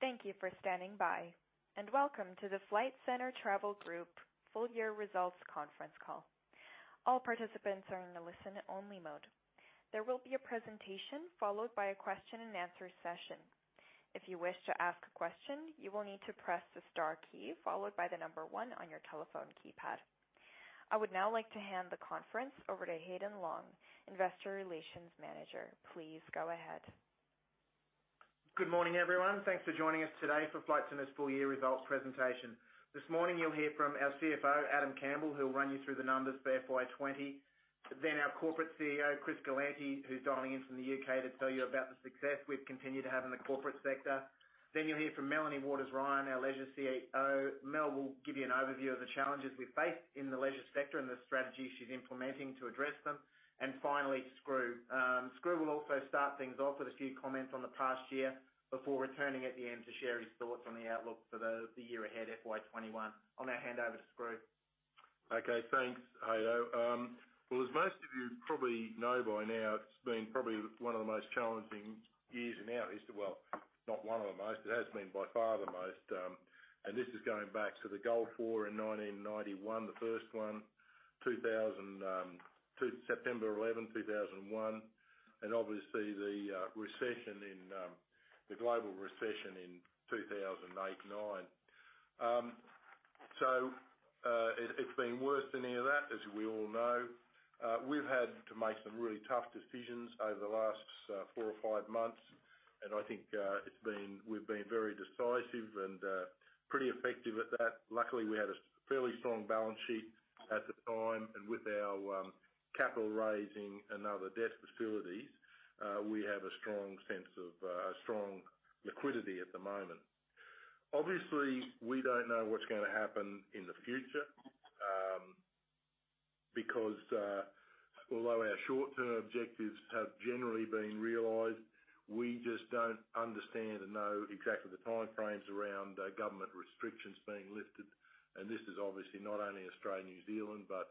Thank you for standing by, and welcome to the Flight Centre Travel Group Full-Year Results Conference Call. All participants are in the listen-only mode. There will be a presentation followed by a question-and-answer session. If you wish to ask a question, you will need to press the star key followed by the number one on your telephone keypad. I would now like to hand the conference over to Haydn Long, Investor Relations Manager. Please go ahead. Good morning, everyone. Thanks for joining us today for Flight Centre's Full-Year results presentation. This morning you'll hear from our CFO, Adam Campbell, who'll run you through the numbers for FY 2020. Then our corporate CEO, Chris Galanty, who's dialing in from the U.K. to tell you about the success we've continued to have in the corporate sector. Then you'll hear from Melanie Waters-Ryan, our Leisure CEO. Mel will give you an overview of the challenges we've faced in the Leisure sector and the strategy she's implementing to address them. And finally, Skroo. Skroo will also start things off with a few comments on the past year before returning at the end to share his thoughts on the outlook for the year ahead, FY 2021. I'll now hand over to Skroo. Okay, thanks, Haydo. Well, as most of you probably know by now, it's been probably one of the most challenging years in our. Well, not one of the most, it has been by far the most. And this is going back to the Gulf War in 1991, the first one, September 11, 2001, and obviously the global recession in 2008-2009. So it's been worse than any of that, as we all know. We've had to make some really tough decisions over the last four or five months, and I think we've been very decisive and pretty effective at that. Luckily, we had a fairly strong balance sheet at the time, and with our capital raising and other debt facilities, we have a strong sense of strong liquidity at the moment. Obviously, we don't know what's going to happen in the future because although our short-term objectives have generally been realized, we just don't understand and know exactly the time frames around government restrictions being lifted. And this is obviously not only Australia, New Zealand, but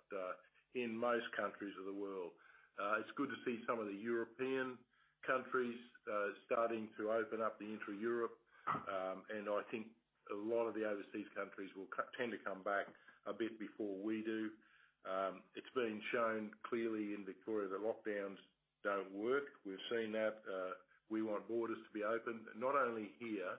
in most countries of the world. It's good to see some of the European countries starting to open up the intra-Europe, and I think a lot of the overseas countries will tend to come back a bit before we do. It's been shown clearly in Victoria that lockdowns don't work. We've seen that. We want borders to be open, not only here,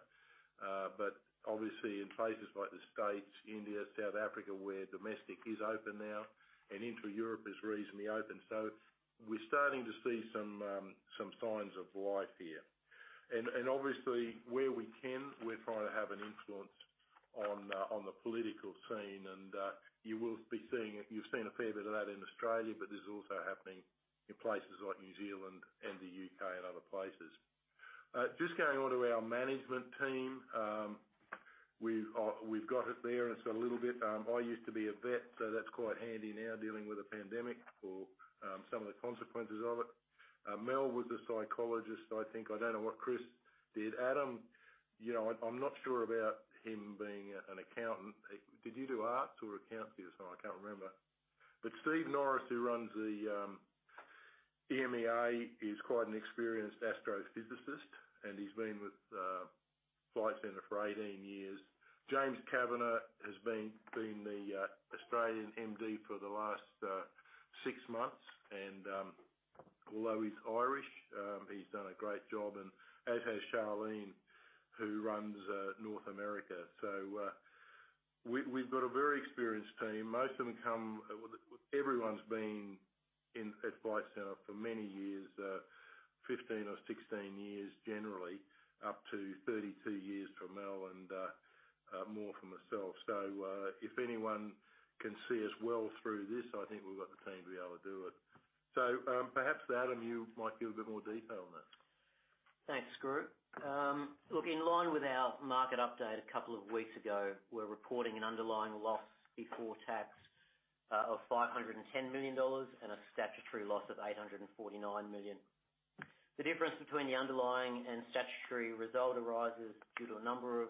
but obviously in places like the States, India, South Africa, where domestic is open now, and intra-Europe is reasonably open. So we're starting to see some signs of life here. And obviously, where we can, we're trying to have an influence on the political scene, and you will be seeing it. You've seen a fair bit of that in Australia, but this is also happening in places like New Zealand and the U.K. and other places. Just going on to our management team, we've got it there and it's a little bit. I used to be a vet, so that's quite handy now dealing with a pandemic or some of the consequences of it. Mel was a psychologist, I think. I don't know what Chris did. Adam, I'm not sure about him being an accountant. Did you do arts or accounting? I can't remember. But Steve Norris, who runs the EMEA, is quite an experienced astrophysicist, and he's been with Flight Centre for 18 years. James Kavanagh has been the Australian MD for the last six months, and although he's Irish, he's done a great job, and as has Charlene, who runs North America. So we've got a very experienced team. Most of them come, everyone's been at Flight Centre for many years, 15 or 16 years generally, up to 32 years for Mel and more for myself. So if anyone can see us well through this, I think we've got the team to be able to do it. So perhaps, Adam, you might give a bit more detail on that. Thanks, Skroo. Look, in line with our market update a couple of weeks ago, we're reporting an underlying loss before tax of 510 million dollars and a statutory loss of 849 million. The difference between the underlying and statutory result arises due to a number of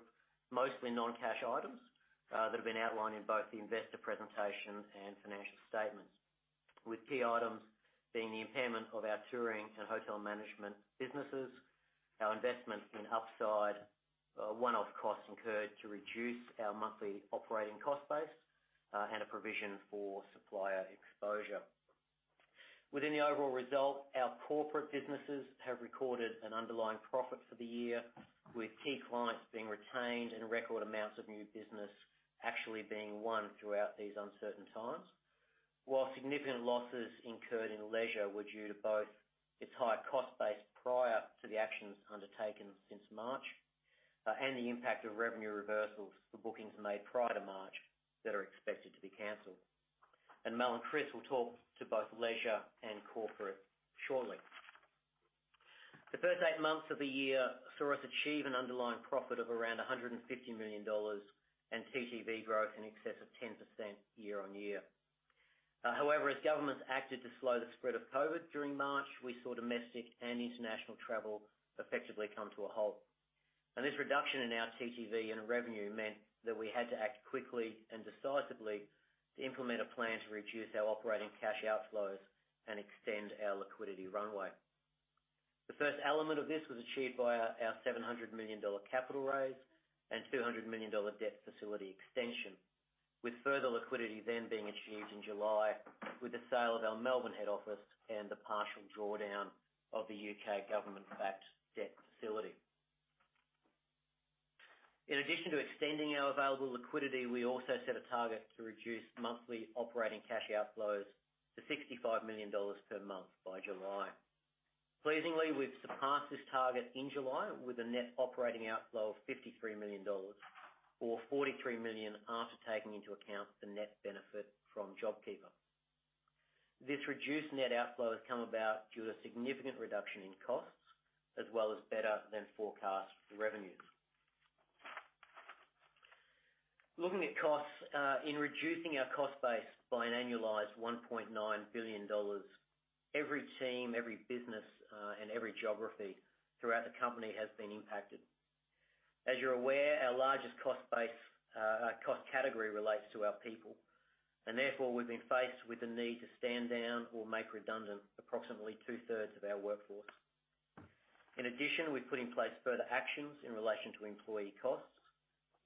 mostly non-cash items that have been outlined in both the investor presentation and financial statements, with key items being the impairment of our touring and hotel management businesses, our investment in Speed 1 one-off costs incurred to reduce our monthly operating cost base, and a provision for supplier exposure. Within the overall result, our corporate businesses have recorded an underlying profit for the year, with key clients being retained and record amounts of new business actually being won throughout these uncertain times. While significant losses incurred in leisure were due to both its high cost base prior to the actions undertaken since March and the impact of revenue reversals for bookings made prior to March that are expected to be cancelled. Mel and Chris will talk to both leisure and corporate shortly. The first eight months of the year saw us achieve an underlying profit of around 150 million dollars and TTV growth in excess of 10% year-on-year. However, as governments acted to slow the spread of COVID during March, we saw domestic and international travel effectively come to a halt. This reduction in our TTV and revenue meant that we had to act quickly and decisively to implement a plan to reduce our operating cash outflows and extend our liquidity runway. The first element of this was achieved by our 700 million dollar capital raise and 200 million dollar debt facility extension, with further liquidity then being achieved in July with the sale of our Melbourne head office and the partial drawdown of the U.K. government-backed debt facility. In addition to extending our available liquidity, we also set a target to reduce monthly operating cash outflows to 65 million dollars per month by July. Pleasingly, we've surpassed this target in July with a net operating outflow of 53 million dollars, or 43 million after taking into account the net benefit from JobKeeper. This reduced net outflow has come about due to a significant reduction in costs as well as better-than-forecast revenues. Looking at costs, in reducing our cost base by an annualized 1.9 billion dollars, every team, every business, and every geography throughout the company has been impacted. As you're aware, our largest cost category relates to our people, and therefore we've been faced with the need to stand down or make redundant approximately two-thirds of our workforce. In addition, we've put in place further actions in relation to employee costs,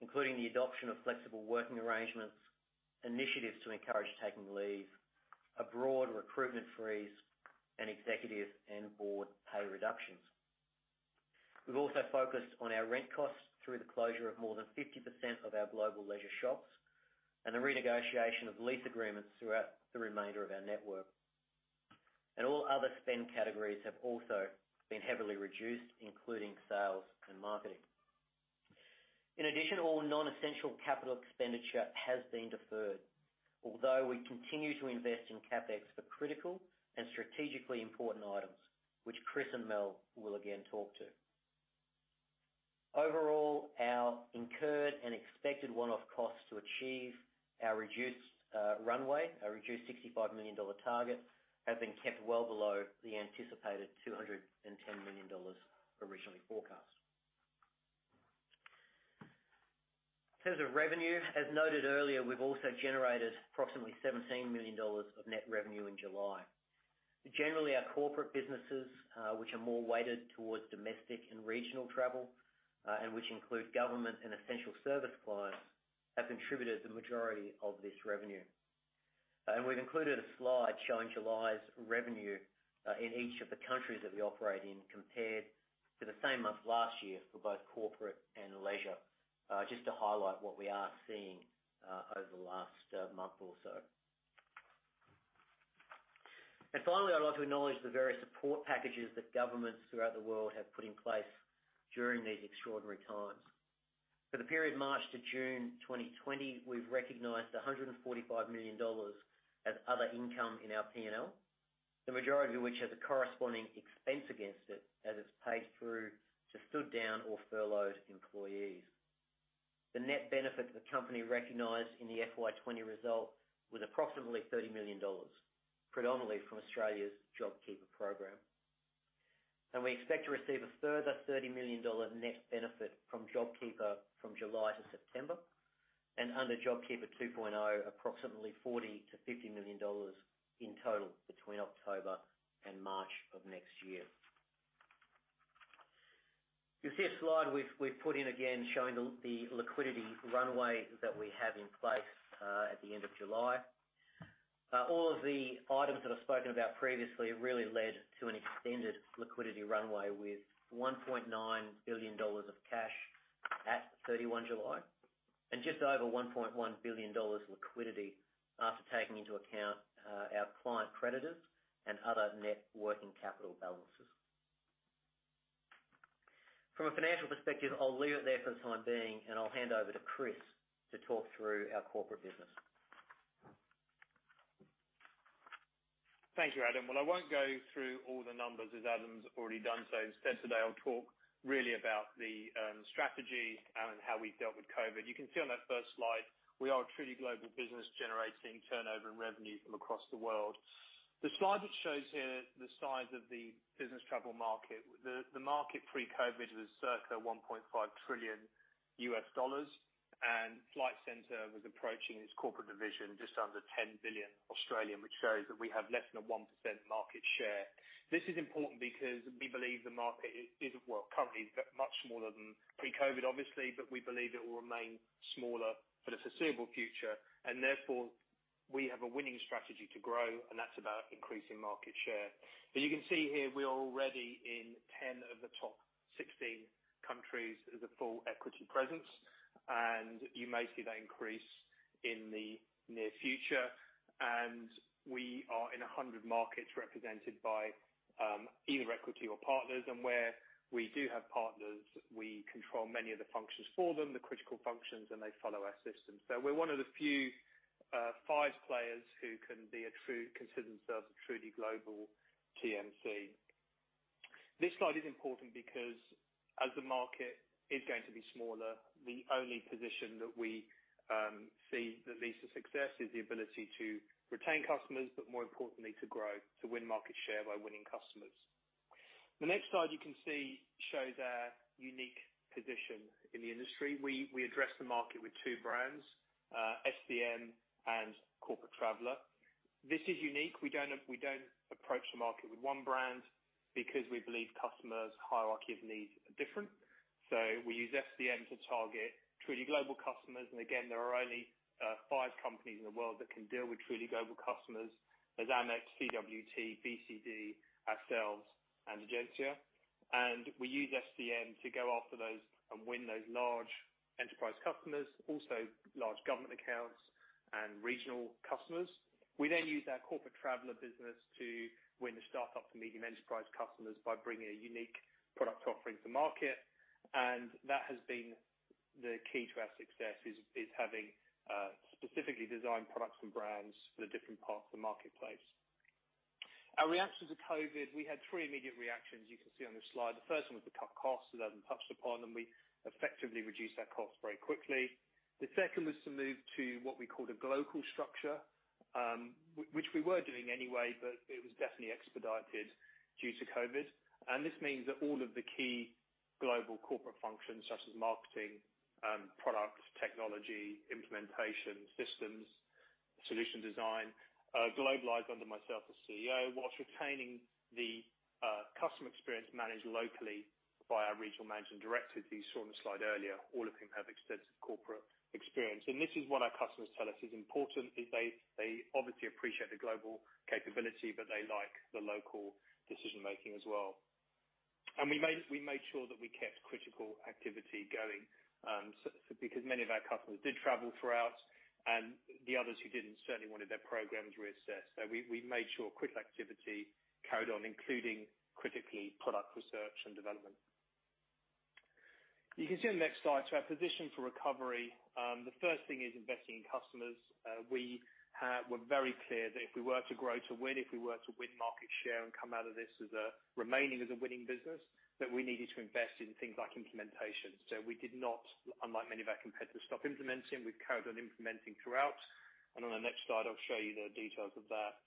including the adoption of flexible working arrangements, initiatives to encourage taking leave, a broad recruitment freeze, and executive and board pay reductions. We've also focused on our rent costs through the closure of more than 50% of our global leisure shops and the renegotiation of lease agreements throughout the remainder of our network. And all other spend categories have also been heavily reduced, including sales and marketing. In addition, all non-essential capital expenditure has been deferred, although we continue to invest in CapEx for critical and strategically important items, which Chris and Mel will again talk to. Overall, our incurred and expected one-off costs to achieve our reduced runway, our reduced 65 million dollar target, have been kept well below the anticipated 210 million dollars originally forecast. In terms of revenue, as noted earlier, we've also generated approximately 17 million dollars of net revenue in July. Generally, our corporate businesses, which are more weighted towards domestic and regional travel and which include government and essential service clients, have contributed the majority of this revenue. We've included a slide showing July's revenue in each of the countries that we operate in compared to the same month last year for both corporate and leisure, just to highlight what we are seeing over the last month or so. And finally, I'd like to acknowledge the various support packages that governments throughout the world have put in place during these extraordinary times. For the period March to June 2020, we've recognized $145 million as other income in our P&L, the majority of which has a corresponding expense against it as it's paid through to stood-down or furloughed employees. The net benefit that the company recognized in the FY 2020 result was approximately $30 million, predominantly from Australia's JobKeeper program. And we expect to receive a further $30 million net benefit from JobKeeper from July to September, and under JobKeeper 2.0, approximately $40 to $50 million in total between October and March of next year. You'll see a slide we've put in again showing the liquidity runway that we have in place at the end of July. All of the items that I've spoken about previously really led to an extended liquidity runway with 1.9 billion dollars of cash at 31 July and just over 1.1 billion dollars liquidity after taking into account our client creditors and other net working capital balances. From a financial perspective, I'll leave it there for the time being, and I'll hand over to Chris to talk through our corporate business. Thank you, Adam. Well, I won't go through all the numbers as Adam's already done, so instead today I'll talk really about the strategy and how we've dealt with COVID. You can see on that first slide we are a truly global business generating turnover and revenue from across the world. The slide which shows here the size of the business travel market, the market pre-COVID was circa $1.5 trillion, and Flight Centre was approaching its corporate division just under 10 billion, which shows that we have less than 1% market share. This is important because we believe the market is, well, currently much smaller than pre-COVID, obviously, but we believe it will remain smaller for the foreseeable future, and therefore we have a winning strategy to grow, and that's about increasing market share. As you can see here, we are already in 10 of the top 16 countries as a full equity presence, and you may see that increase in the near future. And we are in 100 markets represented by either equity or partners, and where we do have partners, we control many of the functions for them, the critical functions, and they follow our system. So we're one of the few five players who can consider themselves a truly global TMC. This slide is important because as the market is going to be smaller, the only position that we see that leads to success is the ability to retain customers, but more importantly, to grow, to win market share by winning customers. The next slide you can see shows our unique position in the industry. We address the market with two brands, FCM and Corporate Traveller. This is unique. We don't approach the market with one brand because we believe customers' hierarchy of needs are different. So we use FCM to target truly global customers, and again, there are only five companies in the world that can deal with truly global customers: there's Amex, CWT, BCD, ourselves, and Egencia, and we use FCM to go after those and win those large enterprise customers, also large government accounts and regional customers. We then use our Corporate Traveller business to win the startup to medium enterprise customers by bringing a unique product offering to market, and that has been the key to our success, is having specifically designed products and brands for the different parts of the marketplace. Our reaction to COVID, we had three immediate reactions you can see on this slide. The first one was to cut costs, as Adam touched upon, and we effectively reduced our costs very quickly. The second was to move to what we called a global structure, which we were doing anyway, but it was definitely expedited due to COVID. And this means that all of the key global corporate functions, such as marketing, product, technology, implementation, systems, solution design, are globalized under myself as CEO, while retaining the customer experience managed locally by our regional managing director, who you saw on the slide earlier. All of whom have extensive corporate experience. And this is what our customers tell us is important, is they obviously appreciate the global capability, but they like the local decision-making as well. And we made sure that we kept critical activity going because many of our customers did travel throughout, and the others who didn't certainly wanted their programs reassessed. So we made sure critical activity carried on, including critically product research and development. You can see on the next slide, so our position for recovery, the first thing is investing in customers. We were very clear that if we were to grow to win, if we were to win market share and come out of this remaining as a winning business, that we needed to invest in things like implementation. So we did not, unlike many of our competitors, stop implementing. We've carried on implementing throughout, and on the next slide, I'll show you the details of that.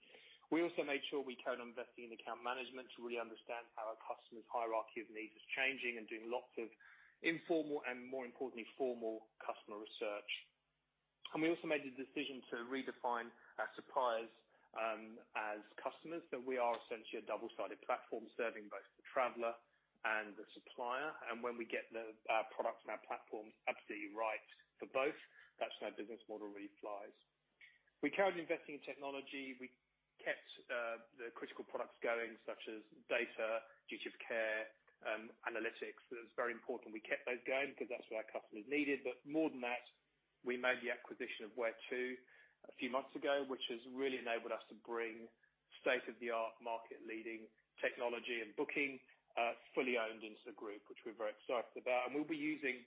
We also made sure we carried on investing in account management to really understand how our customers' hierarchy of needs is changing and doing lots of informal and, more importantly, formal customer research. And we also made the decision to redefine our suppliers as customers, so we are essentially a double-sided platform serving both the traveller and the supplier. When we get the products and our platforms absolutely right for both, that's when our business model really flies. We carried on investing in technology. We kept the critical products going, such as data, duty of care, analytics. It was very important we kept those going because that's what our customers needed. More than that, we made the acquisition of WhereTo a few months ago, which has really enabled us to bring state-of-the-art market-leading technology and booking fully owned into the group, which we're very excited about. We'll be using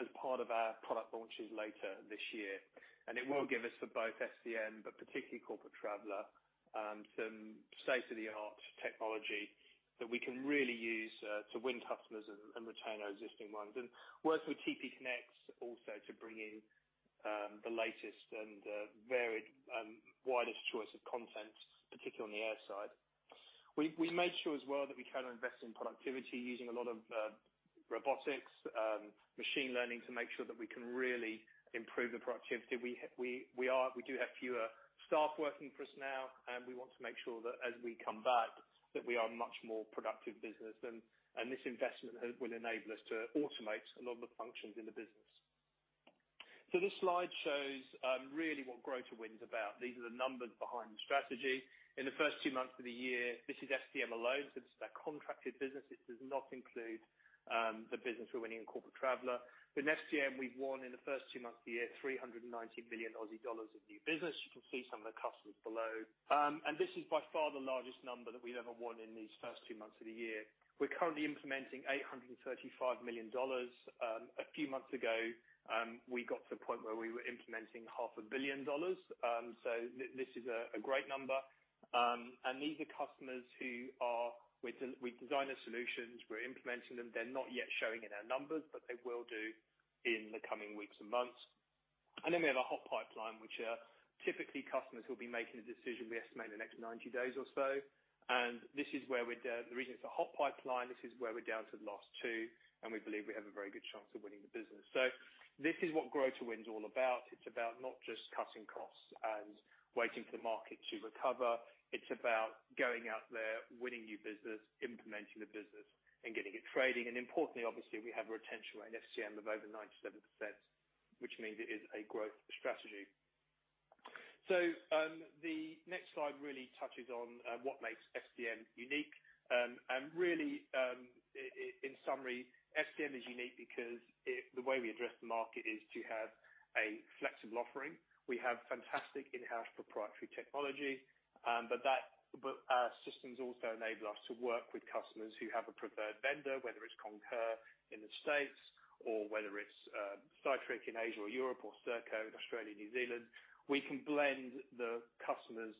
as part of our product launches later this year. It will give us, for both FCM but particularly Corporate Traveller, some state-of-the-art technology that we can really use to win customers and retain our existing ones. Working with TPConnects also to bring in the latest and widest choice of content, particularly on the air side. We made sure as well that we carried on investing in productivity using a lot of robotics, machine learning to make sure that we can really improve the productivity. We do have fewer staff working for us now, and we want to make sure that as we come back, that we are a much more productive business, and this investment will enable us to automate a lot of the functions in the business. So this slide shows really what Grow to Win is about. These are the numbers behind the strategy. In the first two months of the year, this is FCM alone, so this is our contracted business. It does not include the business we're winning in Corporate Traveller. In FCM, we've won in the first two months of the year 390 million Aussie dollars of new business. You can see some of the customers below, and this is by far the largest number that we've ever won in these first two months of the year. We're currently implementing 835 million dollars. A few months ago, we got to the point where we were implementing 500 million dollars, so this is a great number, and these are customers who are, we've designed their solutions, we're implementing them. They're not yet showing in our numbers, but they will do in the coming weeks and months, and then we have a hot pipeline, which are typically customers who will be making a decision we estimate in the next 90 days or so. And this is where we're down, the reason it's a hot pipeline, this is where we're down to the last two, and we believe we have a very good chance of winning the business. So this is what Grow to Win's all about. It's about not just cutting costs and waiting for the market to recover. It's about going out there, winning new business, implementing the business, and getting it trading. And importantly, obviously, we have a retention rate in FCM of over 97%, which means it is a growth strategy. So the next slide really touches on what makes FCM unique. And really, in summary, FCM is unique because the way we address the market is to have a flexible offering. We have fantastic in-house proprietary technology, but our systems also enable us to work with customers who have a preferred vendor, whether it's Concur in the States or whether it's Cytric in Asia or Europe or Serko in Australia and New Zealand. We can blend the customer's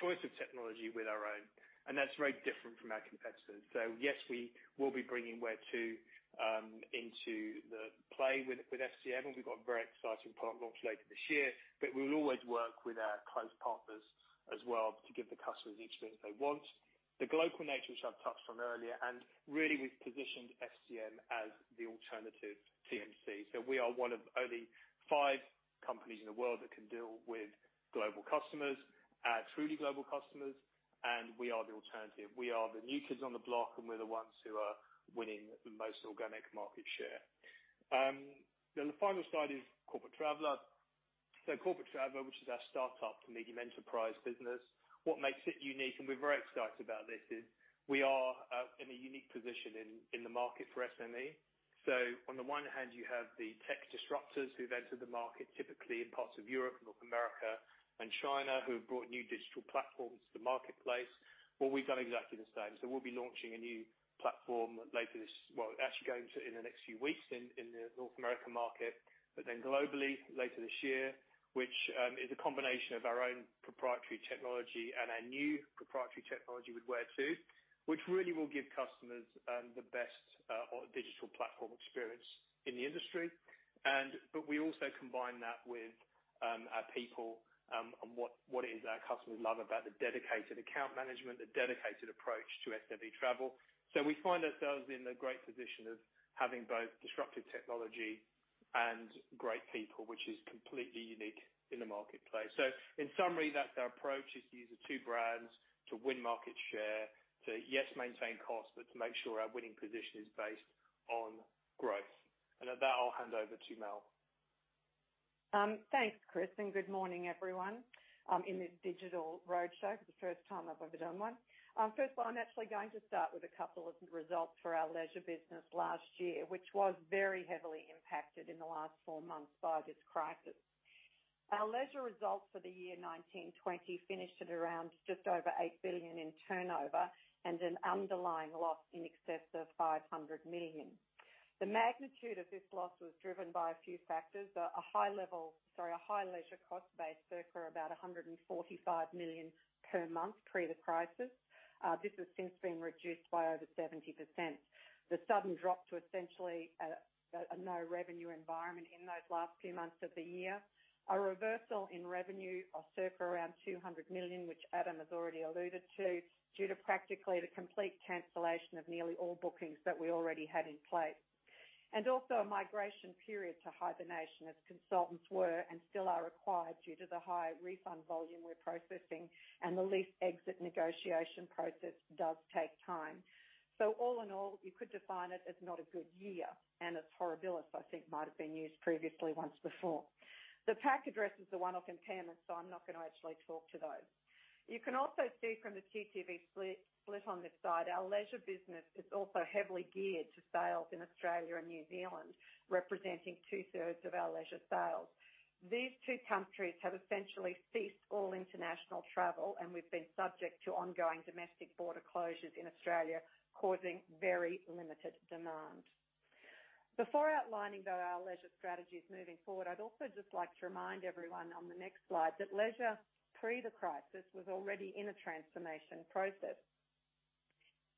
choice of technology with our own, and that's very different from our competitors. So yes, we will be bringing WhereTo into the play with FCM, and we've got a very exciting product launch later this year, but we will always work with our close partners as well to give the customers the experience they want. The global nature, which I've touched on earlier, and really we've positioned FCM as the alternative TMC. So we are one of only five companies in the world that can deal with global customers, truly global customers, and we are the alternative. We are the new kids on the block, and we're the ones who are winning the most organic market share. Now, the final slide is Corporate Traveller. So Corporate Traveller, which is our startup to medium enterprise business, what makes it unique, and we're very excited about this, is we are in a unique position in the market for SME. So on the one hand, you have the tech disruptors who've entered the market, typically in parts of Europe, North America, and China, who have brought new digital platforms to the marketplace. Well, we've done exactly the same. So we'll be launching a new platform later this year, well, actually going to it in the next few weeks in the North America market, but then globally later this year, which is a combination of our own proprietary technology and our new proprietary technology with WhereTo, which really will give customers the best digital platform experience in the industry. But we also combine that with our people and what it is that our customers love about the dedicated account management, the dedicated approach to SME travel. So we find ourselves in the great position of having both disruptive technology and great people, which is completely unique in the marketplace. So in summary, that's our approach: to use the two brands to win market share, to yes, maintain costs, but to make sure our winning position is based on growth. And with that, I'll hand over to Mel. Thanks, Chris, and good morning, everyone. I'm in this digital roadshow for the first time I've ever done one. First of all, I'm actually going to start with a couple of results for our leisure business last year, which was very heavily impacted in the last four months by this crisis. Our leisure results for the year 19/20 finished at around just over 8 billion in turnover and an underlying loss in excess of 500 million. The magnitude of this loss was driven by a few factors. A high-leisure cost base circa about 145 million per month pre the crisis. This has since been reduced by over 70%. The sudden drop to essentially a no-revenue environment in those last few months of the year. A reversal in revenue of circa around 200 million, which Adam has already alluded to, due to practically the complete cancellation of nearly all bookings that we already had in place. And also, a migration period to hibernation, as consultants were and still are required due to the high refund volume we're processing, and the lease exit negotiation process does take time. So all in all, you could define it as not a good year, and as horribilis, I think, might have been used previously once before. The pack addresses the one-off impairments, so I'm not going to actually talk to those. You can also see from the TTV split on this side, our leisure business is also heavily geared to sales in Australia and New Zealand, representing two-thirds of our leisure sales. These two countries have essentially ceased all international travel, and we've been subject to ongoing domestic border closures in Australia, causing very limited demand. Before outlining, though, our leisure strategies moving forward, I'd also just like to remind everyone on the next slide that leisure pre the crisis was already in a transformation process.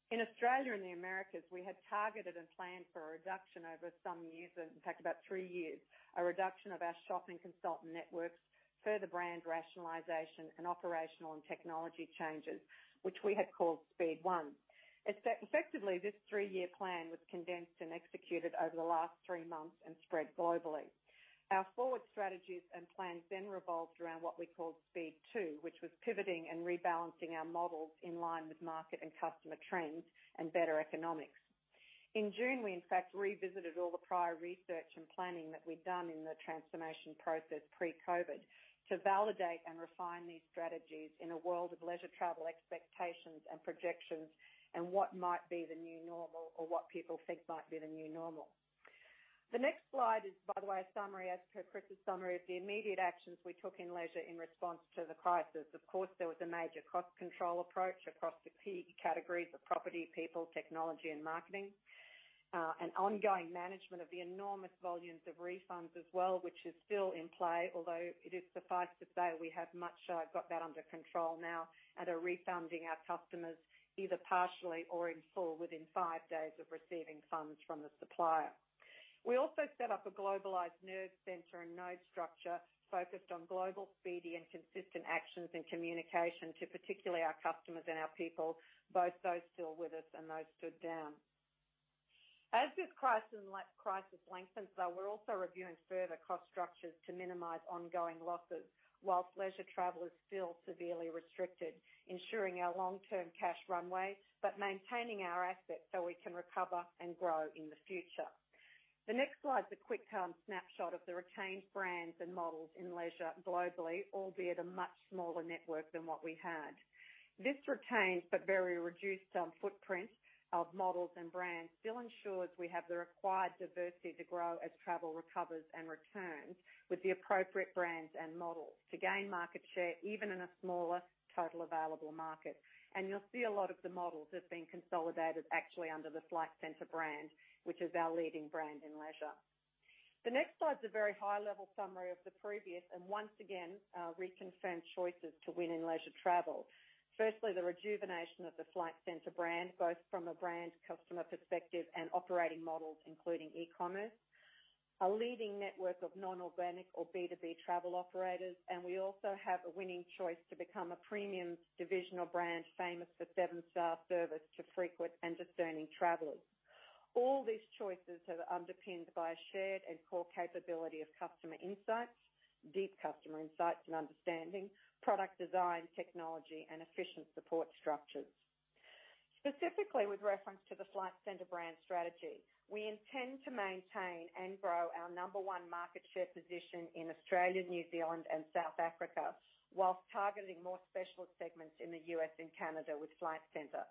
In Australia and the Americas, we had targeted and planned for a reduction over some years, in fact, about three years, a reduction of our shop consultant networks, further brand rationalization, and operational and technology changes, which we had called Speed 1. Effectively, this three-year plan was condensed and executed over the last three months and spread globally. Our forward strategies and plans then revolved around what we called Speed 2, which was pivoting and rebalancing our models in line with market and customer trends and better economics. In June, we, in fact, revisited all the prior research and planning that we'd done in the transformation process pre-COVID to validate and refine these strategies in a world of leisure travel expectations and projections and what might be the new normal or what people think might be the new normal. The next slide is, by the way, a summary, as per Chris's summary, of the immediate actions we took in leisure in response to the crisis. Of course, there was a major cost control approach across the key categories of property, people, technology, and marketing, and ongoing management of the enormous volumes of refunds as well, which is still in play, although suffice it to say we have now got that under control now and are refunding our customers either partially or in full within five days of receiving funds from the supplier. We also set up a globalized nerve center and node structure focused on global speedy and consistent actions and communication to particularly our customers and our people, both those still with us and those stood down. As this crisis lengthens, though, we're also reviewing further cost structures to minimize ongoing losses while leisure travel is still severely restricted, ensuring our long-term cash runway but maintaining our assets so we can recover and grow in the future. The next slide's a quick snapshot of the retained brands and models in leisure globally, albeit a much smaller network than what we had. This retained but very reduced footprint of models and brands still ensures we have the required diversity to grow as travel recovers and returns with the appropriate brands and models to gain market share even in a smaller total available market. You'll see a lot of the models have been consolidated actually under the Flight Centre brand, which is our leading brand in leisure. The next slide's a very high-level summary of the previous and once again reconfirmed choices to win in leisure travel. Firstly, the rejuvenation of the Flight Centre brand, both from a brand customer perspective and operating models, including e-commerce, a leading network of non-organic or B2B travel operators, and we also have a winning choice to become a premium divisional brand famous for seven-star service to frequent and discerning travelers. All these choices have been underpinned by a shared and core capability of customer insights, deep customer insights and understanding, product design, technology, and efficient support structures. Specifically, with reference to the Flight Centre brand strategy, we intend to maintain and grow our number one market share position in Australia, New Zealand, and South Africa, while targeting more specialist segments in the U.S. and Canada with Flight Centre.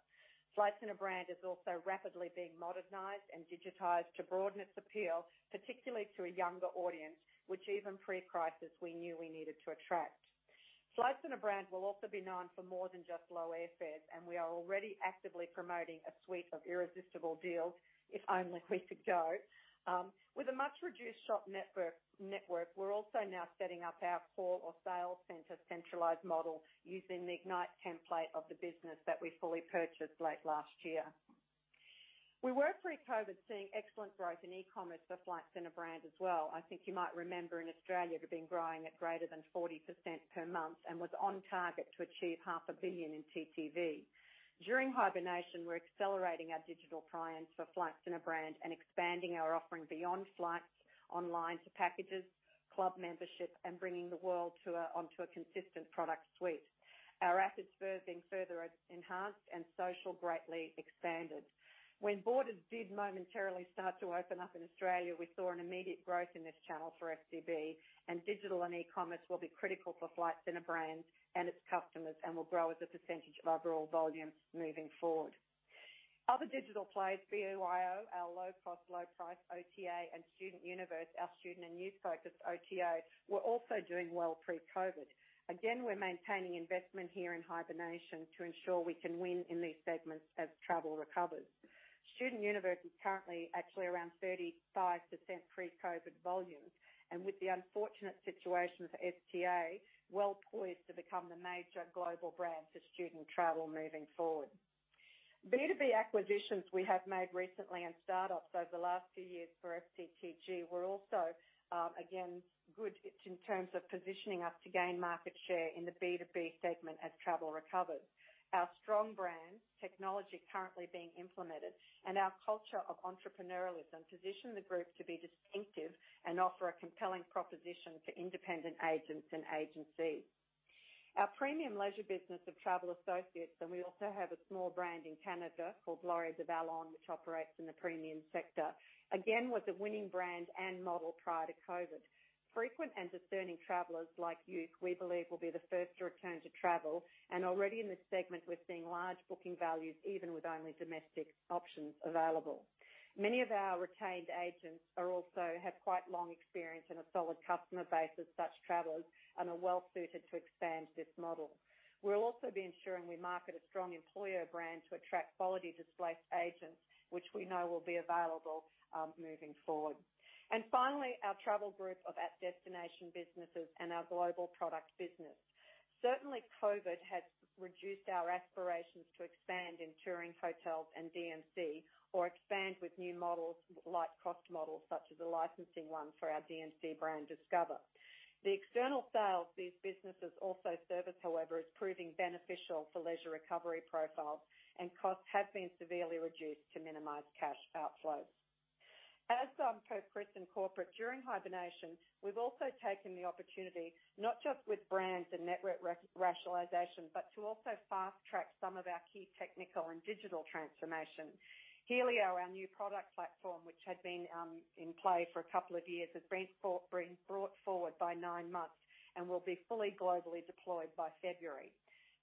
Flight Centre brand is also rapidly being modernized and digitized to broaden its appeal, particularly to a younger audience, which even pre-crisis we knew we needed to attract. Flight Centre brand will also be known for more than just low airfares, and we are already actively promoting a suite of irresistible deals, if only we could go. With a much reduced shop network, we're also now setting up our call or sale centre centralized model using the Ignite template of the business that we fully purchased late last year. We were pre-COVID seeing excellent growth in e-commerce for Flight Centre brand as well. I think you might remember in Australia it had been growing at greater than 40% per month and was on target to achieve 500 million in TTV. During hibernation, we're accelerating our digital transformation for Flight Centre brand and expanding our offering beyond flights online to packages, club membership, and bringing the world onto a consistent product suite. Our assets are being further enhanced and social greatly expanded. When borders did momentarily start to open up in Australia, we saw an immediate growth in this channel for FCB, and digital and e-commerce will be critical for Flight Centre brand and its customers and will grow as a percentage of overall volume moving forward. Other digital players, BYO, our low-cost, low-price OTA, and StudentUniverse, our student and youth-focused OTA, were also doing well pre-COVID. Again, we're maintaining investment here in hibernation to ensure we can win in these segments as travel recovers. StudentUniverse is currently actually around 35% pre-COVID volume, and with the unfortunate situation for STA, well poised to become the major global brand for student travel moving forward. B2B acquisitions we have made recently and start-ups over the last few years for FCTG were also again good in terms of positioning us to gain market share in the B2B segment as travel recovers. Our strong brand, technology currently being implemented, and our culture of entrepreneurialism position the group to be distinctive and offer a compelling proposition for independent agents and agencies. Our premium leisure business of Travel Associates, and we also have a small brand in Canada called Laurier du Vallon, which operates in the premium sector, again was a winning brand and model prior to COVID. Frequent and discerning travelers like youth, we believe, will be the first to return to travel, and already in this segment, we're seeing large booking values even with only domestic options available. Many of our retained agents also have quite long experience and a solid customer base as such travelers and are well suited to expand this model. We'll also be ensuring we market a strong employer brand to attract quality displaced agents, which we know will be available moving forward, and finally, our travel group of at-destination businesses and our global product business. Certainly, COVID has reduced our aspirations to expand in touring hotels and DMC or expand with new models, like cost models such as a licensing one for our DMC brand, Discova. The external sales these businesses also service, however, is proving beneficial for leisure recovery profiles, and costs have been severely reduced to minimize cash outflows. As per Chris and corporate, during hibernation, we've also taken the opportunity not just with brands and network rationalization, but to also fast-track some of our key technical and digital transformation. Helio, our new product platform, which had been in play for a couple of years, has been brought forward by nine months and will be fully globally deployed by February.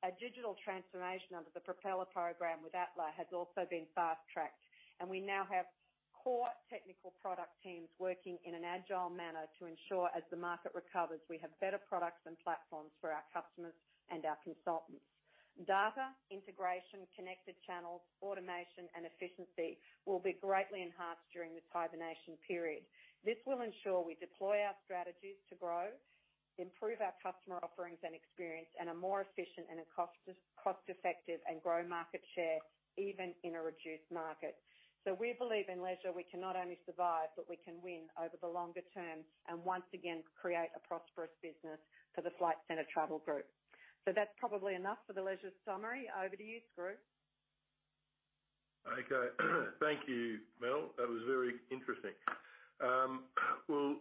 Our digital transformation under the Propeller Program with Atlassian has also been fast-tracked, and we now have core technical product teams working in an agile manner to ensure, as the market recovers, we have better products and platforms for our customers and our consultants. Data, integration, connected channels, automation, and efficiency will be greatly enhanced during this hibernation period. This will ensure we deploy our strategies to grow, improve our customer offerings and experience, and are more efficient and cost-effective and grow market share even in a reduced market. So we believe in leisure, we can not only survive, but we can win over the longer term and once again create a prosperous business for the Flight Centre Travel Group. So that's probably enough for the leisure summary. Over to you, Skroo. Okay. Thank you, Mel. That was very interesting. Well,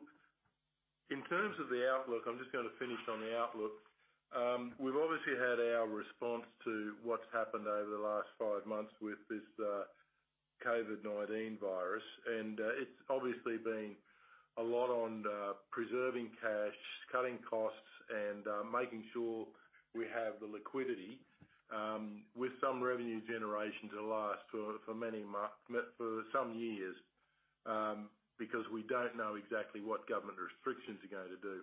in terms of the outlook, I'm just going to finish on the outlook. We've obviously had our response to what's happened over the last five months with this COVID-19 virus, and it's obviously been a lot on preserving cash, cutting costs, and making sure we have the liquidity with some revenue generation to last for some years because we don't know exactly what government restrictions are going to do.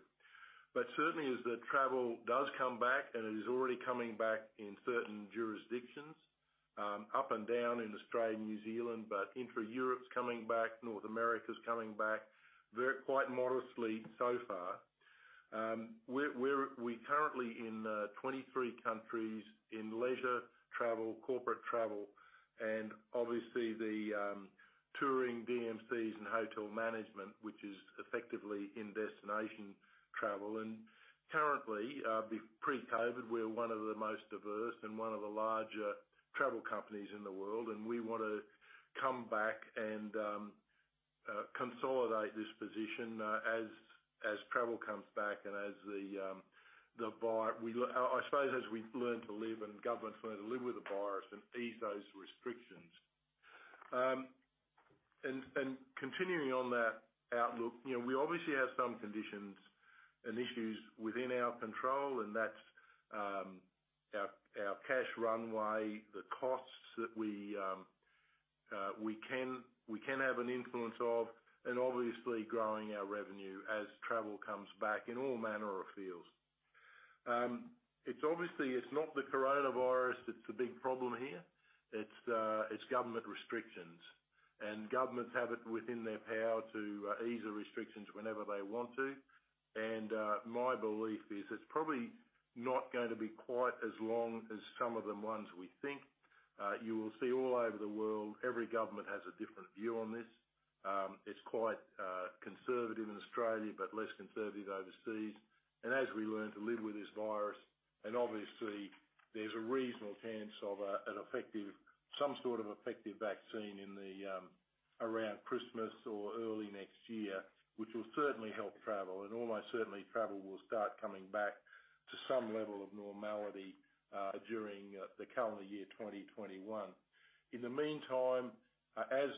But certainly, as the travel does come back, and it is already coming back in certain jurisdictions, up and down in Australia and New Zealand, but in Europe it's coming back, North America's coming back quite modestly so far. We're currently in 23 countries in leisure travel, corporate travel, and obviously the touring DMCs and hotel management, which is effectively in-destination travel. And currently, pre-COVID, we're one of the most diverse and one of the larger travel companies in the world, and we want to come back and consolidate this position as travel comes back and as the virus, I suppose, as we learn to live and governments learn to live with the virus and ease those restrictions. And continuing on that outlook, we obviously have some conditions and issues within our control, and that's our cash runway, the costs that we can have an influence of, and obviously growing our revenue as travel comes back in all manner of fields. It's obviously not the coronavirus that's the big problem here. It's government restrictions, and governments have it within their power to ease the restrictions whenever they want to. And my belief is it's probably not going to be quite as long as some of the ones we think. You will see all over the world, every government has a different view on this. It's quite conservative in Australia but less conservative overseas. As we learn to live with this virus, and obviously there's a reasonable chance of some sort of effective vaccine around Christmas or early next year, which will certainly help travel, and almost certainly travel will start coming back to some level of normality during the calendar year 2021. In the meantime, as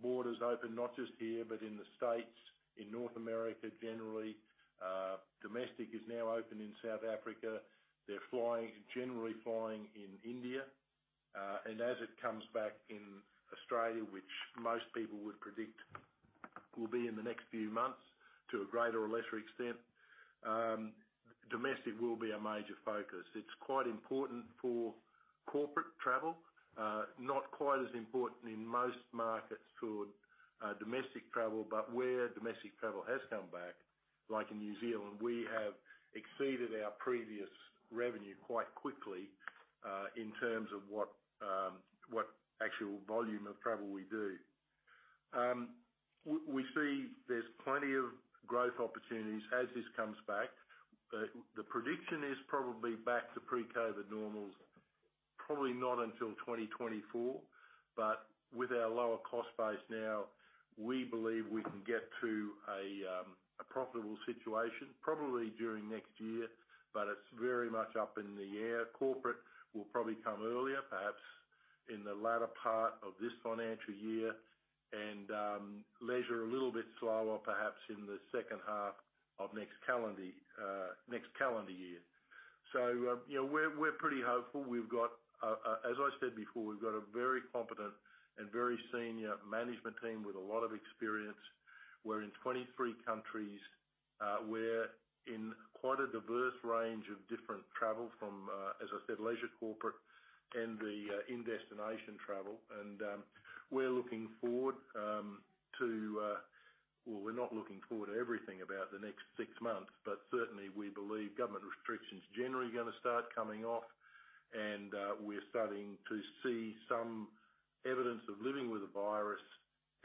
borders open, not just here but in the States, in North America generally, domestic is now open in South Africa. They're generally flying in India. As it comes back in Australia, which most people would predict will be in the next few months to a greater or lesser extent, domestic will be a major focus. It's quite important for corporate travel, not quite as important in most markets for domestic travel, but where domestic travel has come back, like in New Zealand, we have exceeded our previous revenue quite quickly in terms of what actual volume of travel we do. We see there's plenty of growth opportunities as this comes back. The prediction is probably back to pre-COVID normals, probably not until 2024, but with our lower cost base now, we believe we can get to a profitable situation probably during next year, but it's very much up in the air. Corporate will probably come earlier, perhaps in the latter part of this financial year, and leisure a little bit slower, perhaps in the second half of next calendar year. So we're pretty hopeful. As I said before, we've got a very competent and very senior management team with a lot of experience. We're in 23 countries. We're in quite a diverse range of different travel from, as I said, leisure, corporate, and the in-destination travel, and we're looking forward to, well, we're not looking forward to everything about the next six months, but certainly we believe government restrictions are generally going to start coming off, and we're starting to see some evidence of living with the virus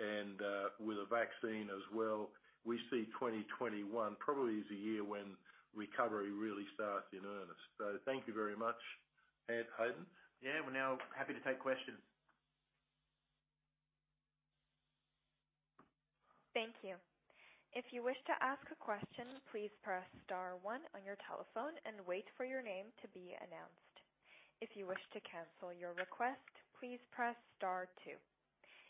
and with a vaccine as well. We see 2021 probably as a year when recovery really starts in earnest, so thank you very much, Haydn. Yeah, we're now happy to take questions. Thank you. If you wish to ask a question, please press star one on your telephone and wait for your name to be announced. If you wish to cancel your request, please press star two.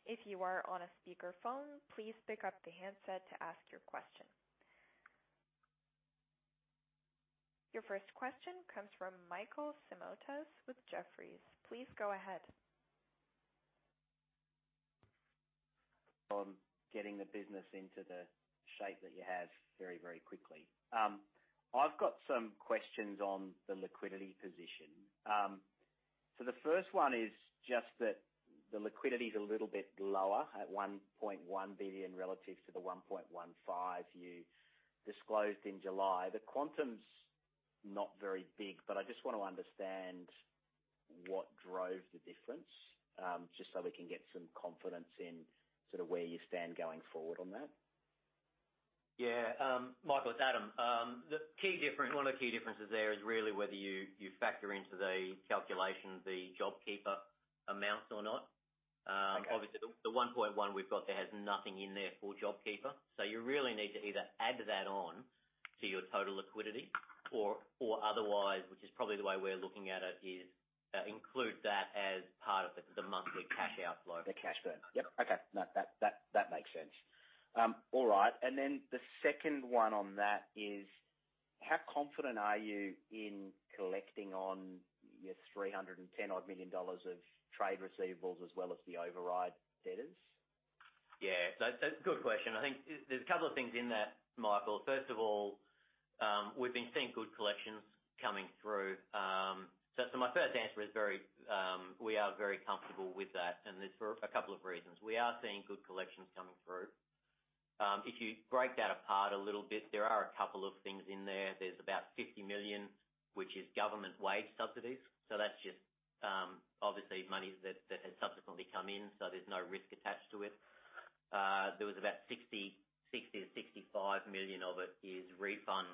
If you are on a speakerphone, please pick up the handset to ask your question. Your first question comes from Michael Simotas with Jefferies. Please go ahead. On getting the business into the shape that you have very, very quickly. I've got some questions on the liquidity position. So the first one is just that the liquidity is a little bit lower at 1.1 billion relative to the 1.15 billion you disclosed in July. The quantum's not very big, but I just want to understand what drove the difference just so we can get some confidence in sort of where you stand going forward on that. Yeah. Michael, it's Adam. One of the key differences there is really whether you factor into the calculation the JobKeeper amounts or not. Obviously, the 1.1 we've got there has nothing in there for JobKeeper. So you really need to either add that on to your total liquidity or otherwise, which is probably the way we're looking at it, is include that as part of the monthly cash outflow. The cash burner. Yep. Okay. That makes sense. All right. And then the second one on that is how confident are you in collecting on your 310 million dollars of trade receivables as well as the override debtors? Yeah. So good question. I think there's a couple of things in that, Michael. First of all, we've been seeing good collections coming through. So my first answer is we are very comfortable with that, and there's a couple of reasons. We are seeing good collections coming through. If you break that apart a little bit, there are a couple of things in there. There's about 50 million, which is government wage subsidies. So that's just obviously money that has subsequently come in, so there's no risk attached to it. There was about 60-65 million of it is refunds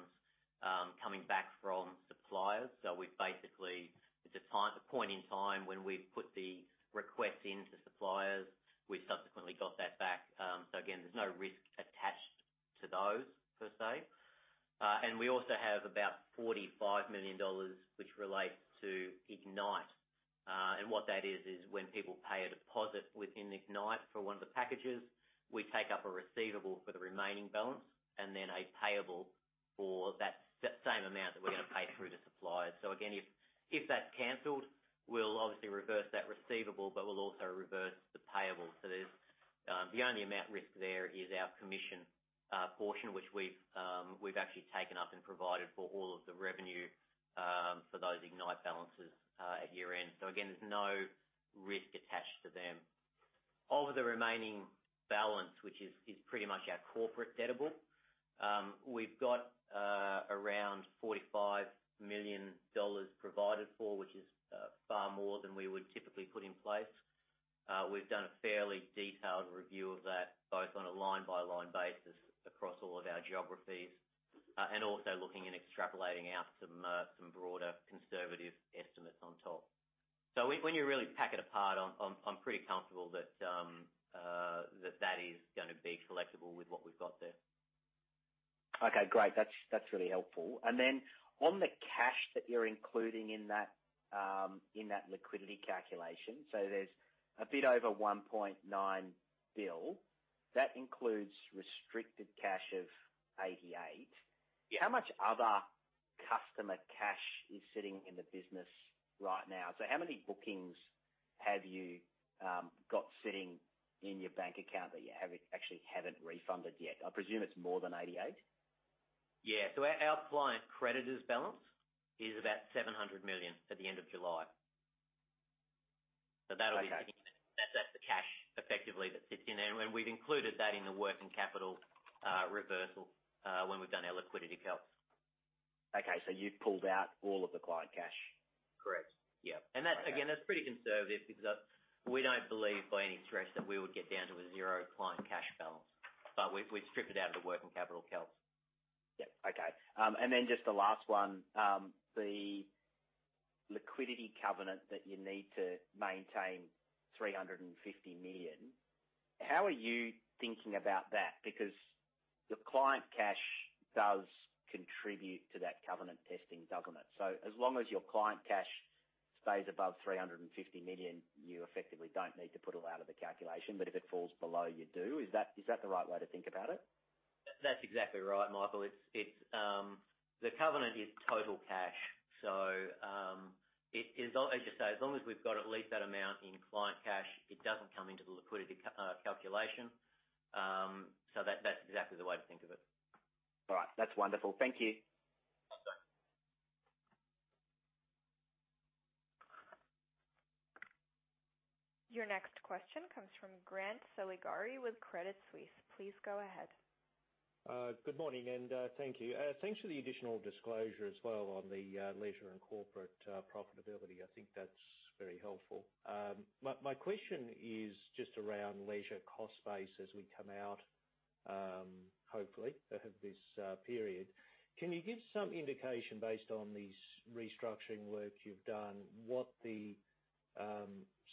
coming back from suppliers. So basically, it's a point in time when we put the requests into suppliers. We subsequently got that back. So again, there's no risk attached to those per se. And we also have about 45 million dollars, which relates to Ignite. What that is, is when people pay a deposit within Ignite for one of the packages, we take up a receivable for the remaining balance and then a payable for that same amount that we're going to pay through to suppliers. So again, if that's cancelled, we'll obviously reverse that receivable, but we'll also reverse the payable. So the only amount risk there is our commission portion, which we've actually taken up and provided for all of the revenue for those Ignite balances at year-end. So again, there's no risk attached to them. Of the remaining balance, which is pretty much our corporate receivable, we've got around 45 million dollars provided for, which is far more than we would typically put in place. We've done a fairly detailed review of that, both on a line-by-line basis across all of our geographies and also looking and extrapolating out some broader conservative estimates on top. So when you really pick it apart, I'm pretty comfortable that that is going to be collectible with what we've got there. Okay. Great. That's really helpful. And then on the cash that you're including in that liquidity calculation, so there's a bit over 1.9 billion. That includes restricted cash of 88 million. How much other customer cash is sitting in the business right now? So how many bookings have you got sitting in your bank account that you actually haven't refunded yet? I presume it's more than 88? Yeah. So our client creditors' balance is about 700 million at the end of July. So that'll be sitting in there. That's the cash effectively that sits in there. And we've included that in the working capital reversal when we've done our liquidity cuts. Okay. So you've pulled out all of the client cash? Correct. Yeah. And again, that's pretty conservative because we don't believe by any stretch that we would get down to a zero client cash balance, but we've stripped it out of the working capital cuts. Yep. Okay. And then just the last one, the liquidity covenant that you need to maintain 350 million, how are you thinking about that? Because the client cash does contribute to that covenant testing, doesn't it? So as long as your client cash stays above 350 million, you effectively don't need to put it out of the calculation, but if it falls below, you do. Is that the right way to think about it? That's exactly right, Michael. The covenant is total cash. So as long as we've got at least that amount in client cash, it doesn't come into the liquidity calculation. So that's exactly the way to think of it. All right. That's wonderful. Thank you. Awesome. Your next question comes from Grant Saligari with Credit Suisse. Please go ahead. Good morning, and thank you. Thanks for the additional disclosure as well on the leisure and corporate profitability. I think that's very helpful. My question is just around leisure cost base as we come out, hopefully, of this period. Can you give some indication based on this restructuring work you've done what the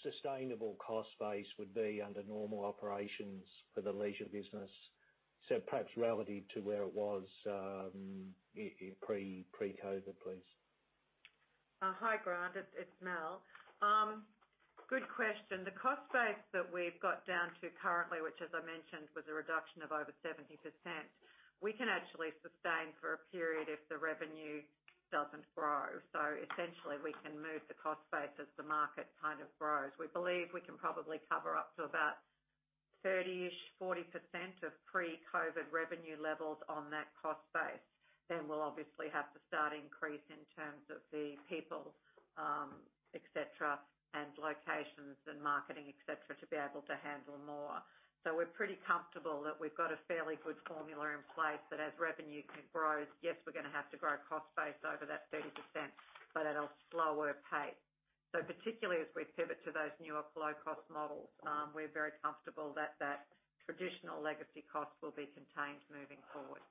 sustainable cost base would be under normal operations for the leisure business? So perhaps relative to where it was pre-COVID, please. Hi, Grant. It's Mel. Good question. The cost base that we've got down to currently, which, as I mentioned, was a reduction of over 70%, we can actually sustain for a period if the revenue doesn't grow. So essentially, we can move the cost base as the market kind of grows. We believe we can probably cover up to about 30ish-40% of pre-COVID revenue levels on that cost base. Then we'll obviously have to start increasing in terms of the people, etc., and locations and marketing, etc., to be able to handle more. So we're pretty comfortable that we've got a fairly good formula in place that as revenue grows, yes, we're going to have to grow cost base over that 30%, but at a slower pace. So particularly as we pivot to those newer low-cost models, we're very comfortable that that traditional legacy cost will be contained moving forward.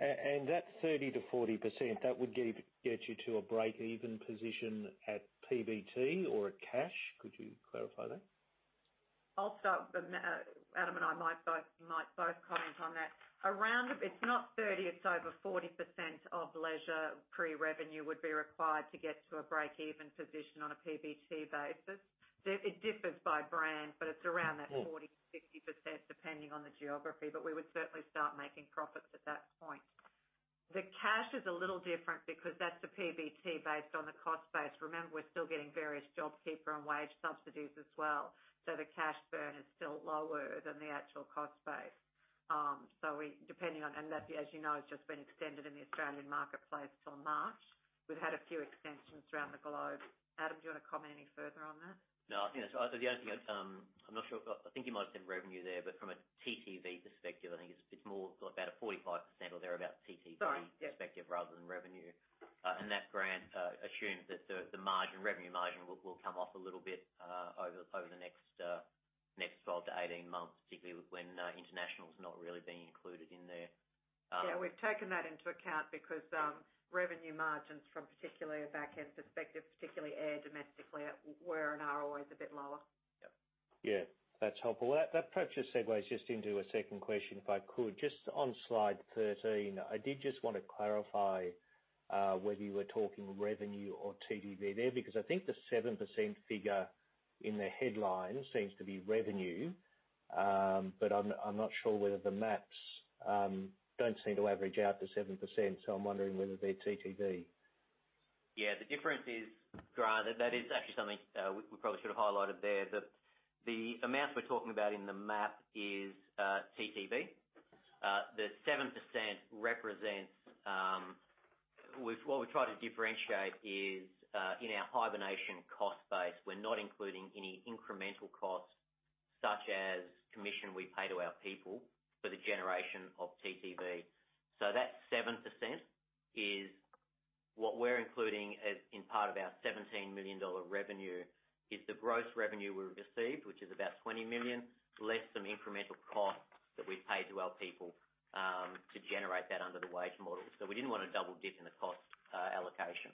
That 30%-40%, that would get you to a break-even position at PBT or at cash? Could you clarify that? I'll start. Adam and I might both comment on that. It's not 30. It's over 40% of leisure pre-revenue would be required to get to a break-even position on a PBT basis. It differs by brand, but it's around that 40%-50% depending on the geography, but we would certainly start making profits at that point. The cash is a little different because that's the PBT based on the cost base. Remember, we're still getting various JobKeeper and wage subsidies as well. So the cash burn is still lower than the actual cost base. So depending on, and as you know, it's just been extended in the Australian marketplace till March. We've had a few extensions around the globe. Adam, do you want to comment any further on that? No. The only thing I'm not sure, I think you might have said revenue there, but from a TTV perspective, I think it's more about a 45% or thereabouts TTV perspective rather than revenue, and that Grant assumes that the revenue margin will come off a little bit over the next 12-18 months, particularly when international's not really being included in there. Yeah. We've taken that into account because revenue margins from particularly a back-end perspective, particularly air domestically, were and are always a bit lower. Yeah. That's helpful. That perhaps just segues into a second question, if I could. Just on slide 13, I did just want to clarify whether you were talking revenue or TTV there because I think the 7% figure in the headline seems to be revenue, but I'm not sure whether the maps don't seem to average out the 7%, so I'm wondering whether they're TTV. Yeah. The difference is, Grant, that is actually something we probably should have highlighted there. The amounts we're talking about in the map is TTV. The 7% represents, what we're trying to differentiate is in our hibernation cost base, we're not including any incremental costs such as commission we pay to our people for the generation of TTV. So that 7% is what we're including as part of our 17 million dollar revenue is the gross revenue we've received, which is about 20 million, less some incremental costs that we've paid to our people to generate that under the wage model. So we didn't want to double-dip in the cost allocation.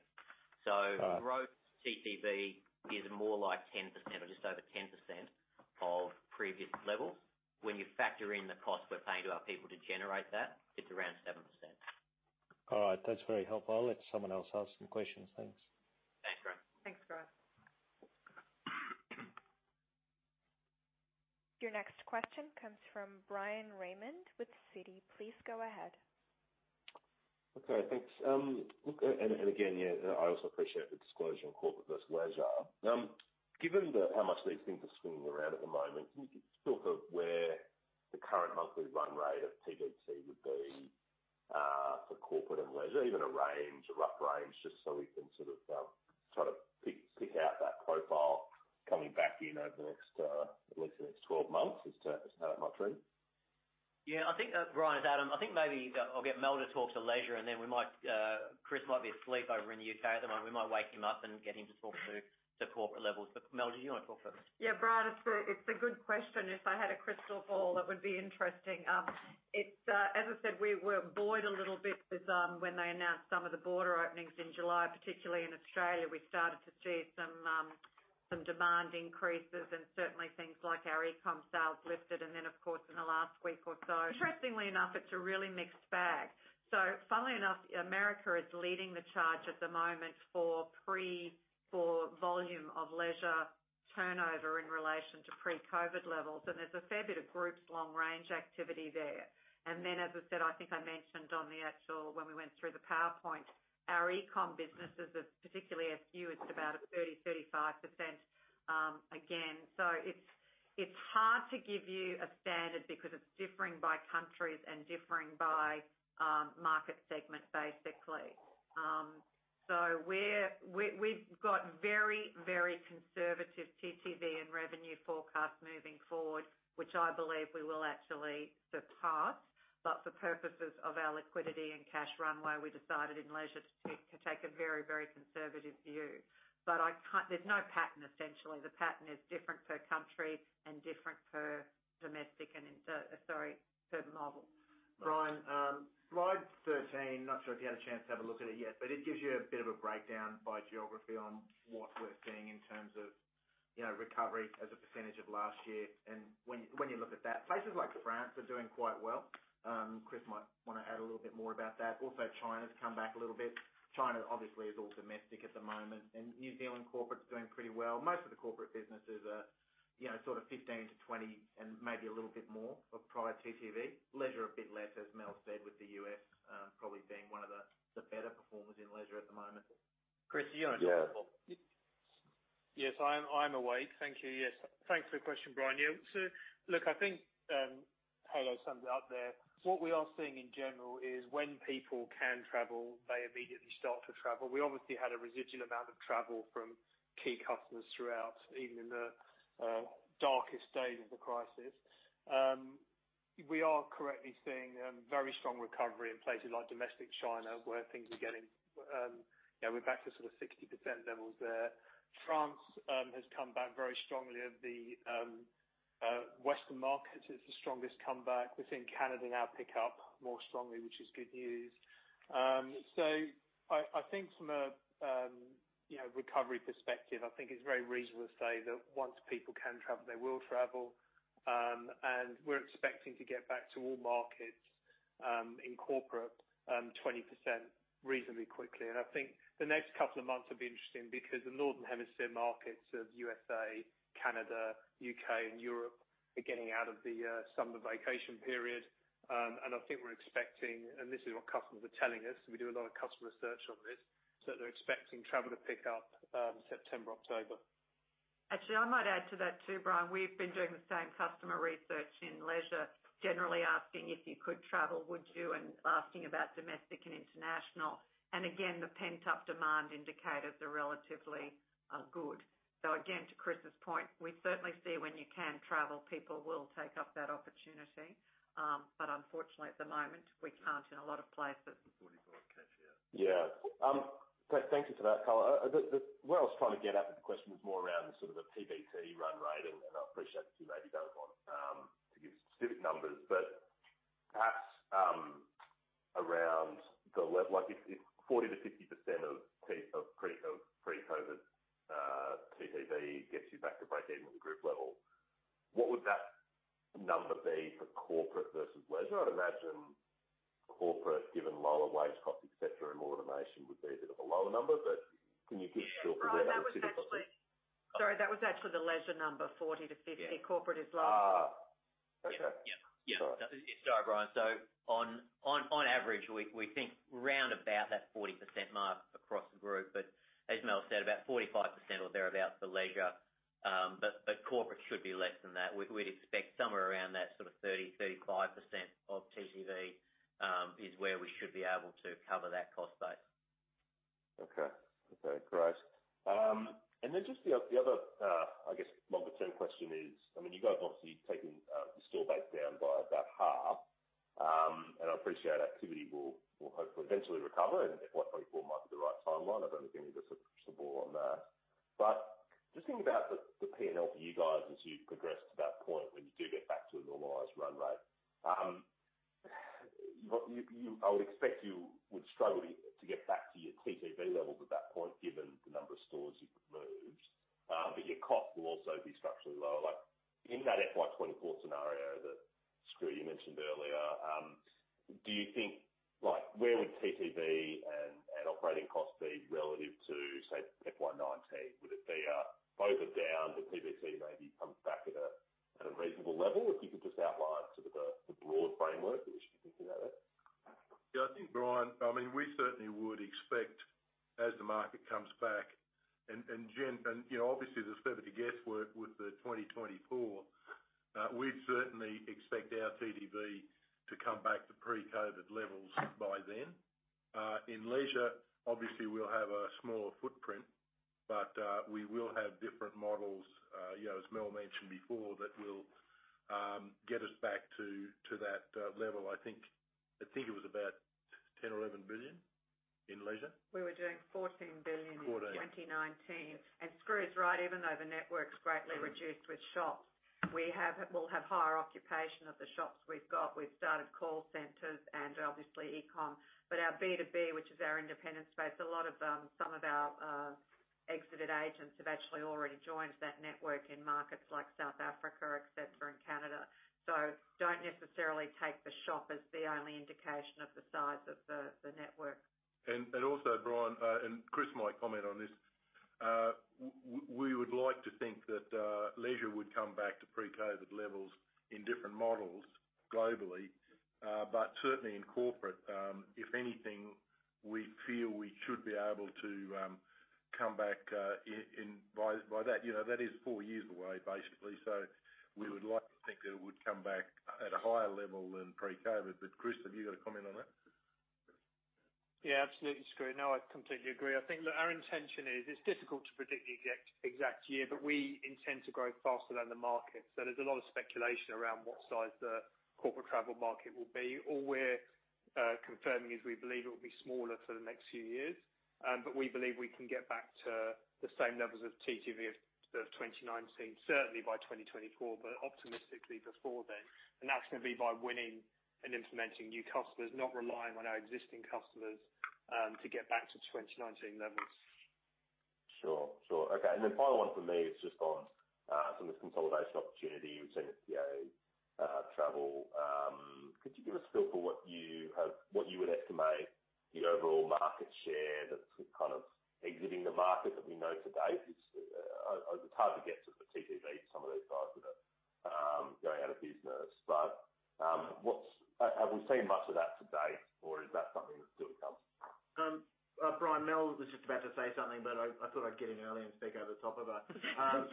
So gross TTV is more like 10% or just over 10% of previous levels. When you factor in the costs we're paying to our people to generate that, it's around 7%. All right. That's very helpful. I'll let someone else ask some questions. Thanks. Thanks, Grant. Thanks, Grant. Your next question comes from Brian Raymond with Citi. Please go ahead. Okay. Thanks. And again, yeah, I also appreciate the disclosure in corporate versus leisure. Given how much these things are swinging around at the moment, can you talk of where the current monthly run rate of TTV would be for corporate and leisure? Even a range, a rough range, just so we can sort of try to pick out that profile coming back in over the next at least the next 12 months as to how that might trend? Yeah. Brian, I think maybe I'll get Mel to talk to leisure, and then Chris might be asleep over in the U.K. at the moment. We might wake him up and get him to talk to corporate levels. But Mel, did you want to talk first? Yeah. Brian, it's a good question. If I had a crystal ball, it would be interesting. As I said, we were buoyed a little bit when they announced some of the border openings in July, particularly in Australia. We started to see some demand increases and certainly things like our e-comm sales lifted. And then, of course, in the last week or so. Interestingly enough, it's a really mixed bag. So funnily enough, America is leading the charge at the moment for volume of leisure turnover in relation to pre-COVID levels. And there's a fair bit of groups long-range activity there. And then, as I said, I think I mentioned on the actual when we went through the PowerPoint, our e-comm businesses, particularly SU, is about 30%-35% again. So it's hard to give you a standard because it's differing by countries and differing by market segment, basically. So we've got very, very conservative TTV and revenue forecasts moving forward, which I believe we will actually surpass. But for purposes of our liquidity and cash runway, we decided in leisure to take a very, very conservative view. But there's no pattern, essentially. The pattern is different per country and different per domestic and, sorry, per model. Brian, slide 13, not sure if you had a chance to have a look at it yet, but it gives you a bit of a breakdown by geography on what we're seeing in terms of recovery as a percentage of last year, and when you look at that, places like France are doing quite well. Chris might want to add a little bit more about that. Also, China's come back a little bit. China, obviously, is all domestic at the moment, and New Zealand corporate's doing pretty well. Most of the corporate businesses are sort of 15%-20% and maybe a little bit more of prior TTV. Leisure a bit less, as Mel said, with the U.S. probably being one of the better performers in leisure at the moment. Chris, are you on a telephone? Yeah. Yes. I'm awake. Thank you. Yes. Thanks for the question, Brian. Yeah. So look, I think hello, somebody out there. What we are seeing in general is when people can travel, they immediately start to travel. We obviously had a residual amount of travel from key customers throughout, even in the darkest days of the crisis. We are correctly seeing very strong recovery in places like domestic China where things are getting. Yeah, we're back to sort of 60% levels there. France has come back very strongly. The Western markets are the strongest comeback. We've seen Canada now pick up more strongly, which is good news. So I think from a recovery perspective, I think it's very reasonable to say that once people can travel, they will travel. We're expecting to get back to all markets in corporate 20% reasonably quickly. I think the next couple of months will be interesting because the northern hemisphere markets of USA, Canada, UK, and Europe are getting out of the summer vacation period. I think we're expecting (and this is what customers are telling us, we do a lot of customer research on this) that they're expecting travel to pick up September, October. Actually, I might add to that too, Brian. We've been doing the same customer research in leisure, generally asking if you could travel, would you, and asking about domestic and international, and again, the pent-up demand indicators are relatively good, so again, to Chris's point, we certainly see when you can travel, people will take up that opportunity, but unfortunately, at the moment, we can't in a lot of places. Yeah. Thank you for that, Kava. What I was trying to get at with the question was more around sort of the PBT run rate, and I appreciate that you maybe don't want to give specific numbers, but perhaps around the level like if 40%-50% of pre-COVID TTV gets you back to break-even at the group level, what would that number be for corporate versus leisure? I'd imagine corporate, given lower wage costs, etc., and more automation, would be a bit of a lower number, but can you give us a feel for that? That was actually, sorry, that was actually the leisure number, 40-50. Corporate is lower. Okay. Sorry. Yeah. Sorry, Brian. So on average, we think round about that 40% mark across the group, but as Mel said, about 45% or thereabouts for leisure. But corporate should be less than that. We'd expect somewhere around that sort of 30%-35% of TTV is where we should be able to cover that cost base. Okay. Okay. Great. And then just the other, I guess, longer-term question is, I mean, you guys obviously taking the store base down by about half, and I appreciate activity will hopefully eventually recover, and at what point might be the right timeline? I don't think any of us are appreciable on that. But just thinking about the P&L for you guys as you progress to that point when you do get back to a normalized run rate, I would expect you would struggle to get back to your TTV levels at that point given the number of stores you've moved, but your cost will also be structurally lower. In that FY24 scenario that, Skroo, you mentioned earlier, do you think where would TTV and operating cost be relative to, say, FY19? Would it be both down, the PBT maybe comes back at a reasonable level? If you could just outline sort of the broad framework we should be thinking about it. Yeah. I think, Brian, I mean, we certainly would expect as the market comes back, and obviously, there's a fair bit of guesswork with the 2024, we'd certainly expect our TTV to come back to pre-COVID levels by then. In leisure, obviously, we'll have a smaller footprint, but we will have different models, as Mel mentioned before, that will get us back to that level. I think it was about 10 billion or 11 billion in leisure. We were doing 14 billion in 2019. 14. Skroo is right. Even though the network's greatly reduced with shops, we will have higher occupation of the shops we've got. We've started call centers and obviously e-comm, but our B2B, which is our independent space, a lot of some of our exited agents have actually already joined that network in markets like South Africa, etc., and Canada, so don't necessarily take the shop as the only indication of the size of the network. And also, Brian, and Chris might comment on this. We would like to think that leisure would come back to pre-COVID levels in different models globally, but certainly in corporate, if anything, we feel we should be able to come back by that. That is four years away, basically. So we would like to think that it would come back at a higher level than pre-COVID. But Chris, have you got a comment on that? Yeah. Absolutely, Skroo. No, I completely agree. I think our intention is it's difficult to predict the exact year, but we intend to grow faster than the market. So there's a lot of speculation around what size the corporate travel market will be. All we're confirming is we believe it will be smaller for the next few years, but we believe we can get back to the same levels of TTV of 2019, certainly by 2024, but optimistically before then. And that's going to be by winning and implementing new customers, not relying on our existing customers to get back to 2019 levels. Sure. Sure. Okay. And then final one for me is just on some of this consolidation opportunity within PA travel. Could you give us a feel for what you would estimate the overall market share that's kind of exiting the market that we know today? It's hard to get to the TTV for some of those guys that are going out of business. But have we seen much of that to date, or is that something that's still to come? Brian, Mel was just about to say something, but I thought I'd get in early and speak over the top of her.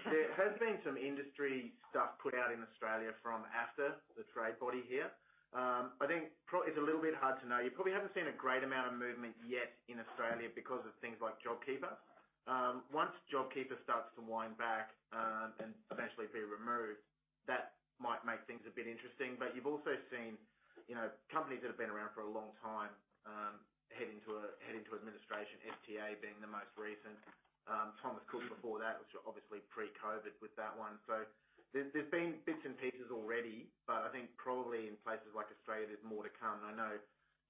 There has been some industry stuff put out in Australia from AFTA, the trade body here. I think it's a little bit hard to know. You probably haven't seen a great amount of movement yet in Australia because of things like JobKeeper. Once JobKeeper starts to wind back and eventually be removed, that might make things a bit interesting. But you've also seen companies that have been around for a long time head into administration, STA being the most recent. Thomas Cook before that was obviously pre-COVID with that one. So there's been bits and pieces already, but I think probably in places like Australia, there's more to come. I know,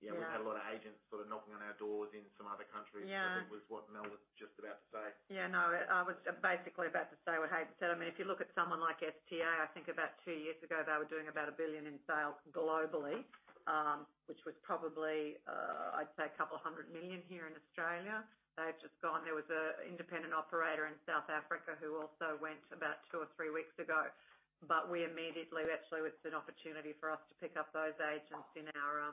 yeah, we've had a lot of agents sort of knocking on our doors in some other countries. It was what Mel was just about to say. Yeah. No, I was basically about to say what Haydn said. I mean, if you look at someone like STA, I think about two years ago, they were doing about a billion in sales globally, which was probably, I'd say, a couple of hundred million here in Australia. They've just gone. There was an independent operator in South Africa who also went about two or three weeks ago. But we immediately actually, it's an opportunity for us to pick up those agents in our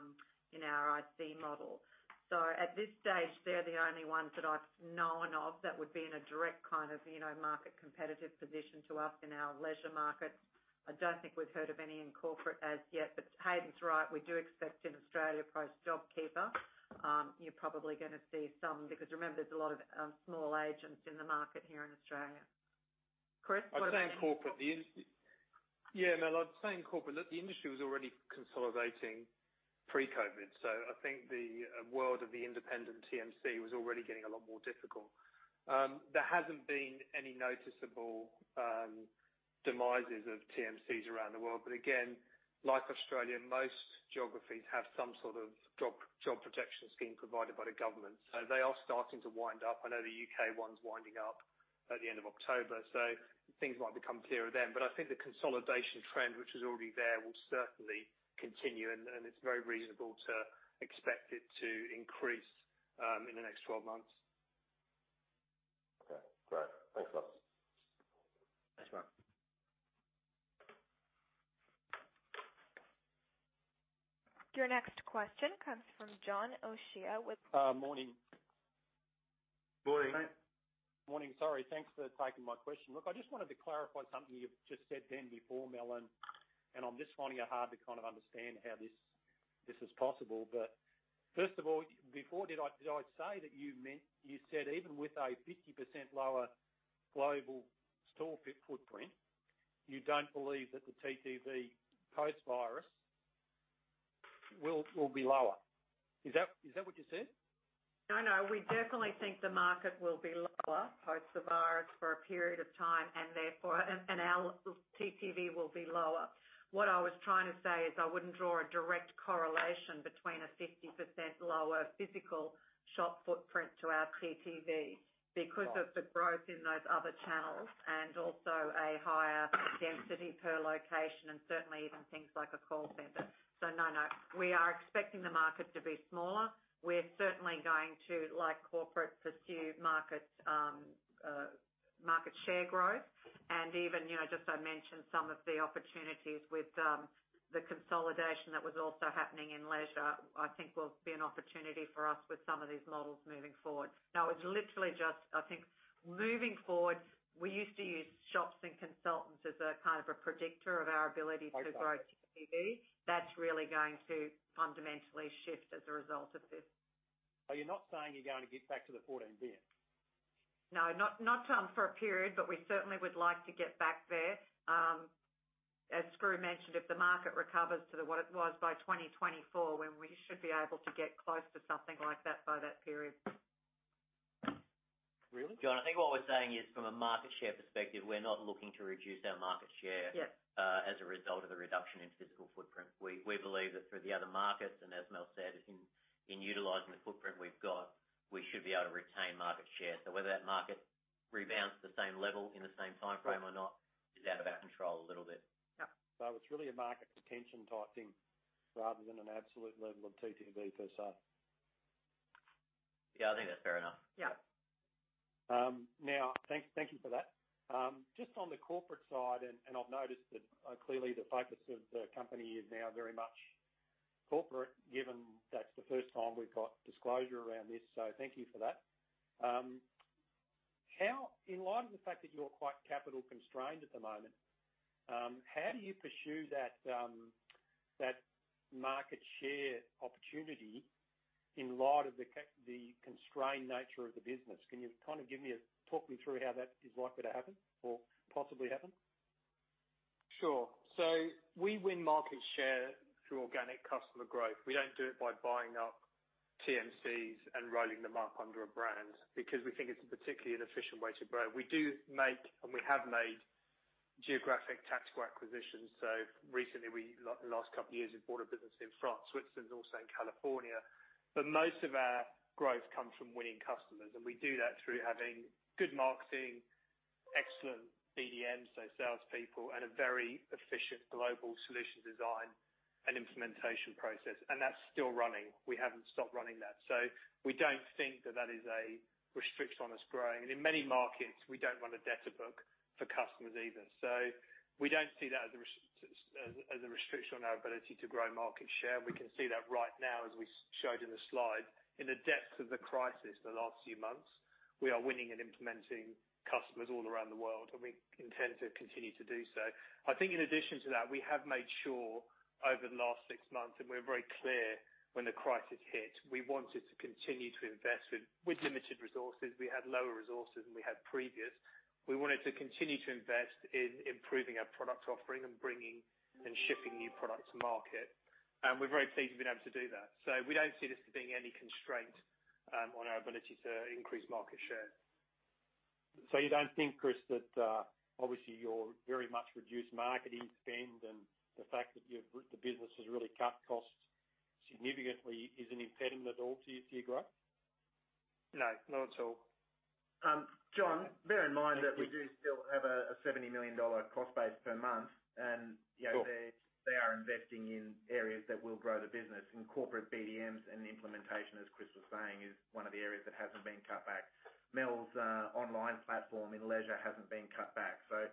IC model. So at this stage, they're the only ones that I've known of that would be in a direct kind of market competitive position to us in our leisure markets. I don't think we've heard of any in corporate as yet. But Haydn's right. We do expect in Australia post JobKeeper, you're probably going to see some because remember, there's a lot of small agents in the market here in Australia. Chris, what about you? I'd say in corporate, the industry yeah, Mel, was already consolidating pre-COVID. So I think the world of the independent TMC was already getting a lot more difficult. There hasn't been any noticeable demises of TMCs around the world. But again, like Australia, most geographies have some sort of job protection scheme provided by the government. So they are starting to wind up. I know the U.K. one's winding up at the end of October. So things might become clearer then. But I think the consolidation trend, which is already there, will certainly continue. And it's very reasonable to expect it to increase in the next 12 months. Okay. Great. Thanks, guys. Thanks, Brian. Your next question comes from John O'Shea with. Morning. Morning. Morning. Sorry. Thanks for taking my question. Look, I just wanted to clarify something you've just said then before, Mel. And I'm just finding it hard to kind of understand how this is possible. But first of all, before, did I say that you said even with a 50% lower global store footprint, you don't believe that the TTV post-virus will be lower? Is that what you said? No, no. We definitely think the market will be lower post the virus for a period of time, and our TTV will be lower. What I was trying to say is I wouldn't draw a direct correlation between a 50% lower physical shop footprint to our TTV because of the growth in those other channels and also a higher density per location and certainly even things like a call center. So no, no. We are expecting the market to be smaller. We're certainly going to, like corporate, pursue market share growth. And even just I mentioned some of the opportunities with the consolidation that was also happening in leisure, I think will be an opportunity for us with some of these models moving forward. Now, it's literally just, I think, moving forward, we used to use shops and consultants as a kind of a predictor of our ability to grow TTV. That's really going to fundamentally shift as a result of this. Are you not saying you're going to get back to the 14 billion? No, not for a period, but we certainly would like to get back there. As Skroo mentioned, if the market recovers to what it was by 2024, when we should be able to get close to something like that by that period. Really? John, I think what we're saying is from a market share perspective, we're not looking to reduce our market share as a result of the reduction in physical footprint. We believe that through the other markets, and as Mel said, in utilizing the footprint we've got, we should be able to retain market share. So whether that market rebounds to the same level in the same timeframe or not is out of our control a little bit. Yep. So it's really a market retention type thing rather than an absolute level of TTV per se. Yeah, I think that's fair enough. Yeah. Now, thank you for that. Just on the corporate side, and I've noticed that clearly the focus of the company is now very much corporate, given that's the first time we've got disclosure around this, so thank you for that. In light of the fact that you're quite capital constrained at the moment, how do you pursue that market share opportunity in light of the constrained nature of the business? Can you kind of walk me through how that is likely to happen or possibly happen? Sure. So we win market share through organic customer growth. We don't do it by buying up TMCs and rolling them up under a brand because we think it's a particularly inefficient way to grow. We do make, and we have made geographic tactical acquisitions. So recently, in the last couple of years, we've bought a business in France, Switzerland, and also in California. But most of our growth comes from winning customers. And we do that through having good marketing, excellent BDMs, so salespeople, and a very efficient global solution design and implementation process. And that's still running. We haven't stopped running that. So we don't think that that is a restriction on us growing. And in many markets, we don't run a debtor book for customers either. So we don't see that as a restriction on our ability to grow market share. We can see that right now, as we showed in the slide. In the depths of the crisis the last few months, we are winning and implementing customers all around the world, and we intend to continue to do so. I think in addition to that, we have made sure over the last six months, and we were very clear when the crisis hit, we wanted to continue to invest with limited resources. We had lower resources than we had previously. We wanted to continue to invest in improving our product offering and bringing and shipping new products to market, and we're very pleased we've been able to do that, so we don't see this as being any constraint on our ability to increase market share. So you don't think, Chris, that obviously your very much reduced marketing spend and the fact that the business has really cut costs significantly is an impediment at all to your growth? No, not at all. John, bear in mind that we do still have a 70 million dollar cost base per month, and they are investing in areas that will grow the business. And corporate BDMs and implementation, as Chris was saying, is one of the areas that hasn't been cut back. Mel's online platform in leisure hasn't been cut back. So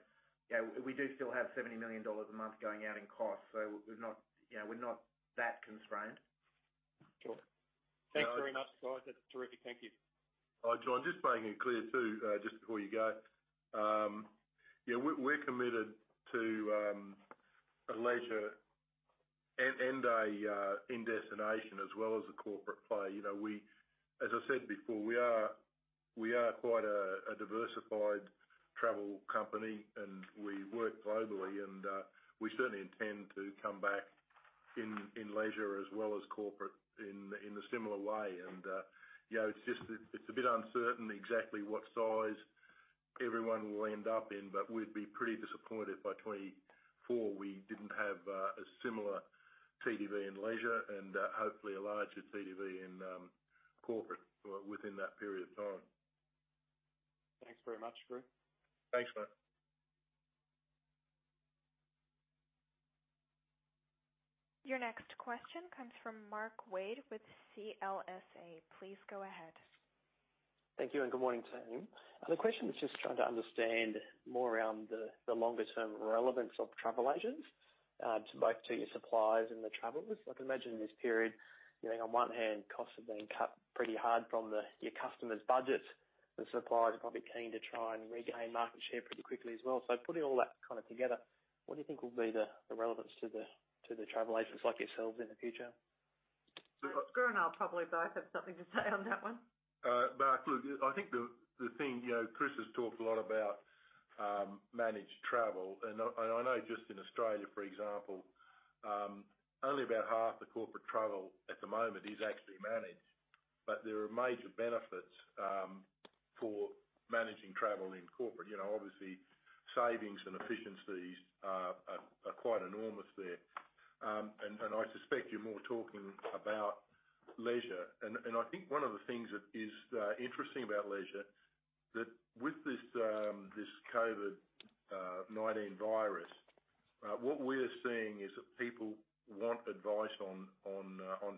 we do still have 70 million dollars a month going out in costs, so we're not that constrained. Sure. Thanks very much, guys. That's terrific. Thank you. Hi, John. Just making it clear too, just before you go. Yeah, we're committed to a leisure and a destination as well as a corporate play. As I said before, we are quite a diversified travel company, and we work globally. And we certainly intend to come back in leisure as well as corporate in a similar way. And it's a bit uncertain exactly what size everyone will end up in, but we'd be pretty disappointed if by 2024 we didn't have a similar TTV in leisure and hopefully a larger TTV in corporate within that period of time. Thanks very much, Skroo. Thanks, Matt. Your next question comes from Mark Wade with CLSA. Please go ahead. Thank you, and good morning, team. The question was just trying to understand more around the longer-term relevance of travel agents to both your suppliers and the travelers. I can imagine in this period, on one hand, costs have been cut pretty hard from your customers' budgets. The suppliers are probably keen to try and regain market share pretty quickly as well. So putting all that kind of together, what do you think will be the relevance to the travel agents like yourselves in the future? Skroo and I'll probably both have something to say on that one. Mark, look, I think the thing Chris has talked a lot about managed travel. And I know just in Australia, for example, only about half the corporate travel at the moment is actually managed. But there are major benefits for managing travel in corporate. Obviously, savings and efficiencies are quite enormous there. And I suspect you're more talking about leisure. And I think one of the things that is interesting about leisure, that with this COVID-19 virus, what we're seeing is that people want advice on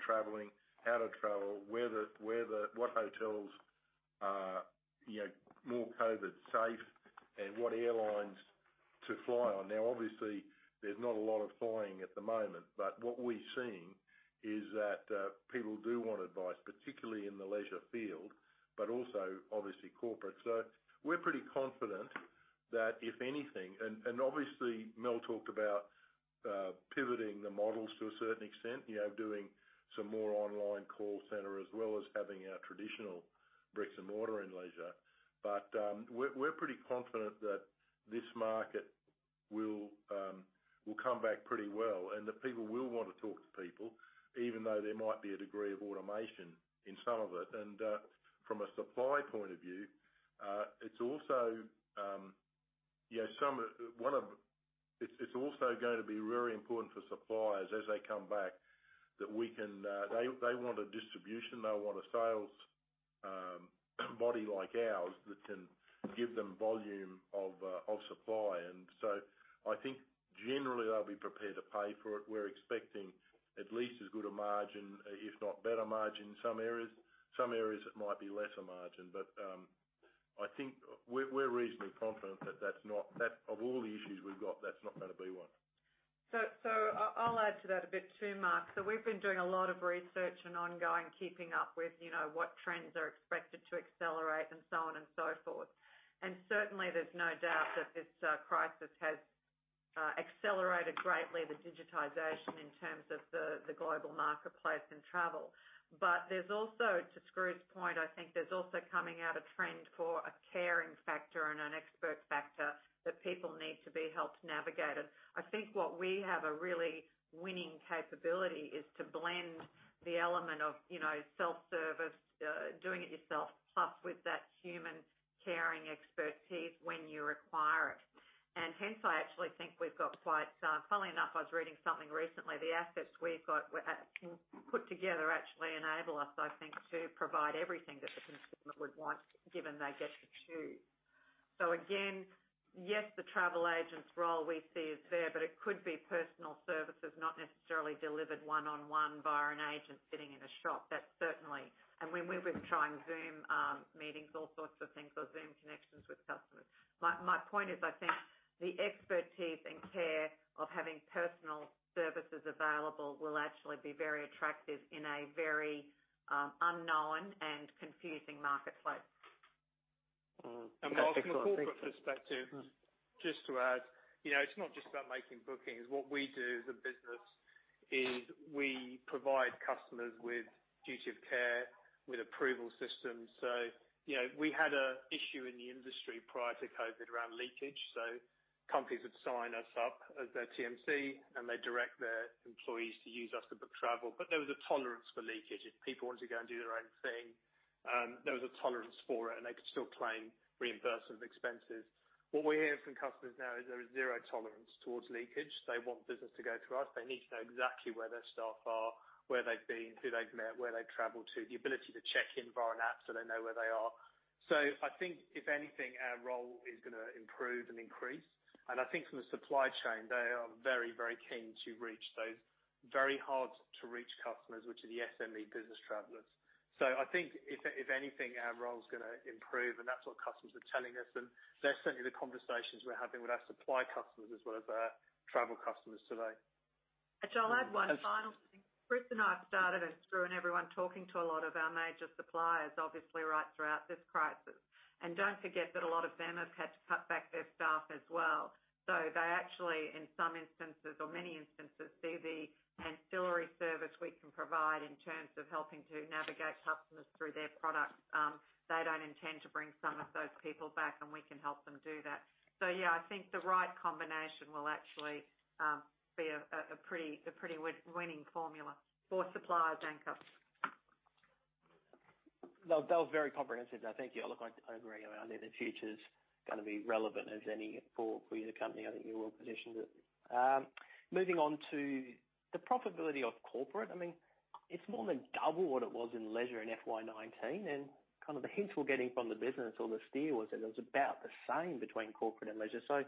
traveling, how to travel, what hotels are more COVID-safe, and what airlines to fly on. Now, obviously, there's not a lot of flying at the moment, but what we're seeing is that people do want advice, particularly in the leisure field, but also obviously corporate. We're pretty confident that if anything, and obviously, Mel talked about pivoting the models to a certain extent, doing some more online call center as well as having our traditional bricks and mortar in leisure, but we're pretty confident that this market will come back pretty well and that people will want to talk to people, even though there might be a degree of automation in some of it. And from a supply point of view, it's also one of, it's also going to be very important for suppliers as they come back that we can, they want a distribution. They want a sales body like ours that can give them volume of supply. And so I think generally they'll be prepared to pay for it. We're expecting at least as good a margin, if not better margin in some areas. Some areas it might be lesser margin. But I think we're reasonably confident that that's not, of all the issues we've got, that's not going to be one. I'll add to that a bit too, Mark. We've been doing a lot of research and ongoing keeping up with what trends are expected to accelerate and so on and so forth. Certainly, there's no doubt that this crisis has accelerated greatly the digitization in terms of the global marketplace and travel. But to Skroo's point, I think there's also coming out a trend for a caring factor and an expert factor that people need to be helped navigate. I think what we have a really winning capability is to blend the element of self-service, doing it yourself, plus with that human caring expertise when you require it. Hence, I actually think we've got quite, funnily enough, I was reading something recently. The assets we've got put together actually enable us, I think, to provide everything that the consumer would want given their get-to-choose. So again, yes, the travel agent's role we see is there, but it could be personal services, not necessarily delivered one-on-one by an agent sitting in a shop. That's certainly, and when we were trying Zoom meetings, all sorts of things or Zoom connections with customers. My point is, I think the expertise and care of having personal services available will actually be very attractive in a very unknown and confusing marketplace. And Mark, from a corporate perspective, just to add, it's not just about making bookings. What we do as a business is we provide customers with duty of care, with approval systems. So we had an issue in the industry prior to COVID around leakage. So companies would sign us up as their TMC, and they'd direct their employees to use us to book travel. But there was a tolerance for leakage. If people wanted to go and do their own thing, there was a tolerance for it, and they could still claim reimbursement of expenses. What we're hearing from customers now is there is zero tolerance towards leakage. They want business to go through us. They need to know exactly where their staff are, where they've been, who they've met, where they've traveled to, the ability to check in via an app so they know where they are. So I think, if anything, our role is going to improve and increase. And I think from the supply chain, they are very, very keen to reach those very hard-to-reach customers, which are the SME business travelers. So I think, if anything, our role is going to improve, and that's what customers are telling us. And that's certainly the conversations we're having with our supply customers as well as our travel customers today. John, I'll add one final thing. Chris and I have sat with Skroo and everyone talking to a lot of our major suppliers, obviously, right throughout this crisis. Don't forget that a lot of them have had to cut back their staff as well. They actually, in some instances or many instances, see the ancillary service we can provide in terms of helping to navigate customers through their products. They don't intend to bring some of those people back, and we can help them do that. Yeah, I think the right combination will actually be a pretty winning formula for suppliers' and customers. That was very comprehensive. Thank you. I look, I agree. I think the future's going to be relevant as any for your company. I think you're well positioned to moving on to the profitability of corporate. I mean, it's more than double what it was in leisure in FY19. And kind of the hints we're getting from the business or the steer was that it was about the same between corporate and leisure. So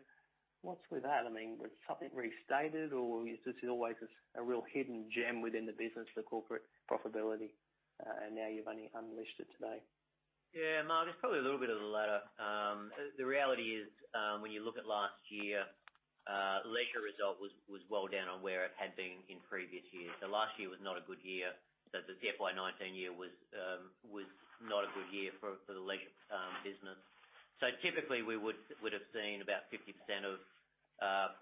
what's with that? I mean, was something restated, or is this always a real hidden gem within the business, the corporate profitability, and now you've only unleashed it today? Yeah, Mark, it's probably a little bit of the latter. The reality is, when you look at last year, leisure result was well down on where it had been in previous years. So last year was not a good year. So the FY19 year was not a good year for the leisure business. So typically, we would have seen about 50% of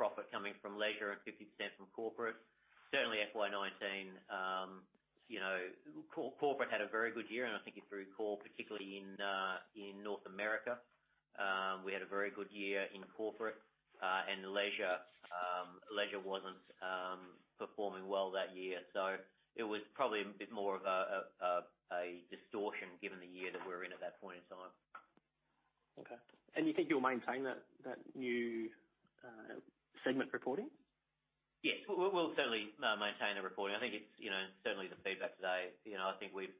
profit coming from leisure and 50% from corporate. Certainly, FY19, corporate had a very good year, and I think it's very cool, particularly in North America. We had a very good year in corporate, and leisure wasn't performing well that year. So it was probably a bit more of a distortion given the year that we're in at that point in time. Okay. And you think you'll maintain that new segment reporting? Yes. We'll certainly maintain the reporting. I think it's certainly the feedback today. I think we've.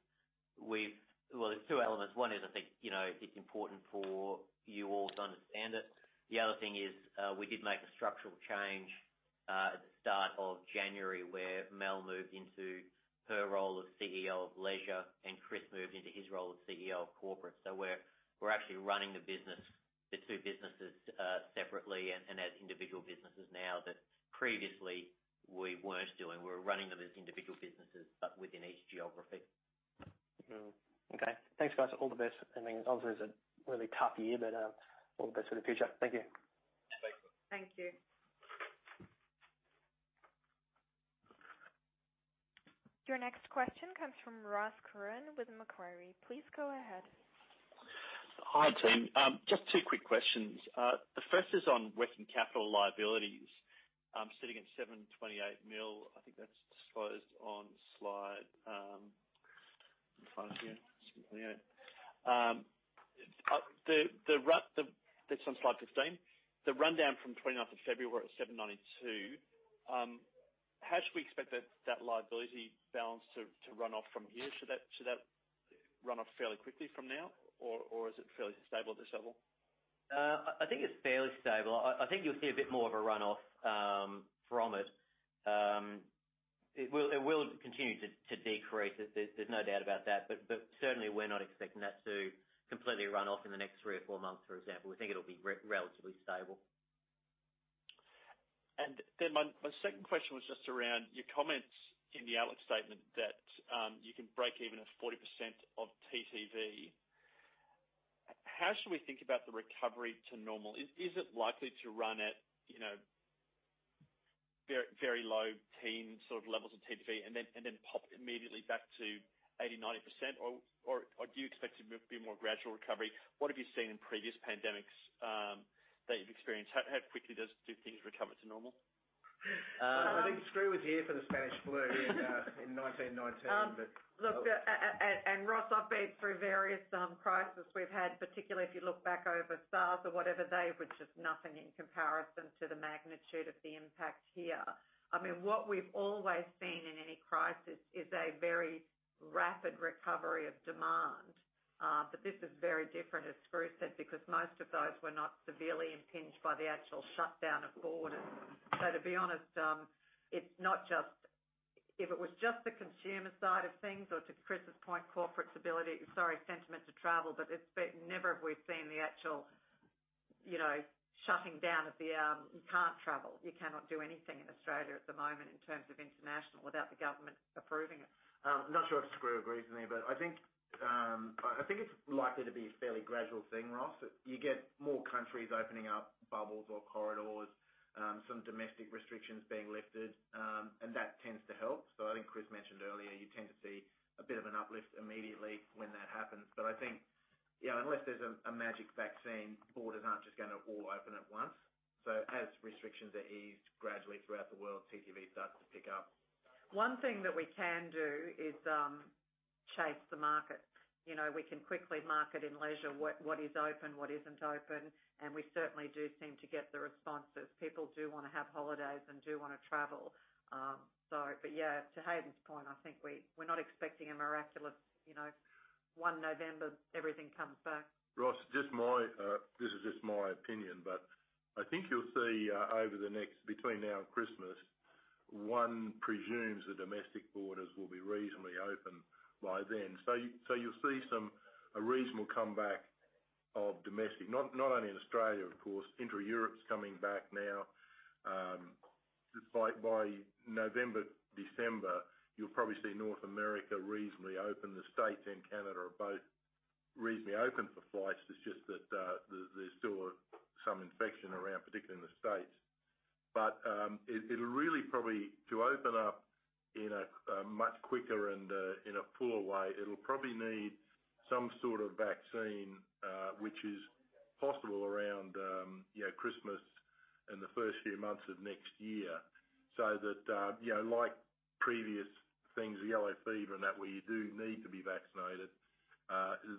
Well, there's two elements. One is I think it's important for you all to understand it. The other thing is we did make a structural change at the start of January where Mel moved into her role of CEO of Leisure, and Chris moved into his role of CEO of Corporate. So we're actually running the business, the two businesses separately and as individual businesses now that previously we weren't doing. We were running them as individual businesses but within each geography. Okay. Thanks, guys. All the best. I mean, obviously, it's a really tough year, but all the best for the future. Thank you. Thank you. Your next question comes from Ross Curran with Macquarie. Please go ahead. Hi, team. Just two quick questions. The first is on working capital liabilities. I'm sitting at 728 million. I think that's disclosed on slide in front of you. 728. That's on slide 15. The rundown from 29th of February at 792 million. How should we expect that liability balance to run off from here? Should that run off fairly quickly from now, or is it fairly stable at this level? I think it's fairly stable. I think you'll see a bit more of a run-off from it. It will continue to decrease. There's no doubt about that. But certainly, we're not expecting that to completely run off in the next three or four months, for example. We think it'll be relatively stable. And then my second question was just around your comments in the outlook statement that you can break even at 40% of TTV. How should we think about the recovery to normal? Is it likely to run at very low, teen sort of levels of TTV and then pop immediately back to 80%-90%, or do you expect to be a more gradual recovery? What have you seen in previous pandemics that you've experienced? How quickly do things recover to normal? I think Skroo was here for the Spanish flu in 1919, but. Look, and Ross, I've been through various crises we've had, particularly if you look back over SARS or whatever, they were just nothing in comparison to the magnitude of the impact here. I mean, what we've always seen in any crisis is a very rapid recovery of demand. But this is very different, as Skroo said, because most of those were not severely impinged by the actual shutdown of borders. So to be honest, it's not just if it was just the consumer side of things or to Chris's point, corporate stability, sorry, sentiment to travel, but never have we seen the actual shutting down of the, "You can't travel. You cannot do anything in Australia at the moment in terms of international without the government approving it. I'm not sure if Skroo agrees with me, but I think it's likely to be a fairly gradual thing, Ross. You get more countries opening up bubbles or corridors, some domestic restrictions being lifted, and that tends to help. So I think Chris mentioned earlier, you tend to see a bit of an uplift immediately when that happens. But I think unless there's a magic vaccine, borders aren't just going to all open at once. So as restrictions are eased gradually throughout the world, TTV starts to pick up. One thing that we can do is chase the market. We can quickly market in leisure what is open, what isn't open, and we certainly do seem to get the responses. People do want to have holidays and do want to travel, but yeah, to Haydn's point, I think we're not expecting a miraculous 1 November. Everything comes back. Ross, this is just my opinion, but I think you'll see over the next between now and Christmas, one presumes the domestic borders will be reasonably open by then. So you'll see a reasonable comeback of domestic, not only in Australia, of course. Intra-Europe's coming back now. By November, December, you'll probably see North America reasonably open. The States and Canada are both reasonably open for flights. It's just that there's still some infection around, particularly in the States. But it'll really probably to open up in a much quicker and in a fuller way, it'll probably need some sort of vaccine, which is possible around Christmas and the first few months of next year. So that, like previous things, the yellow fever and that, where you do need to be vaccinated,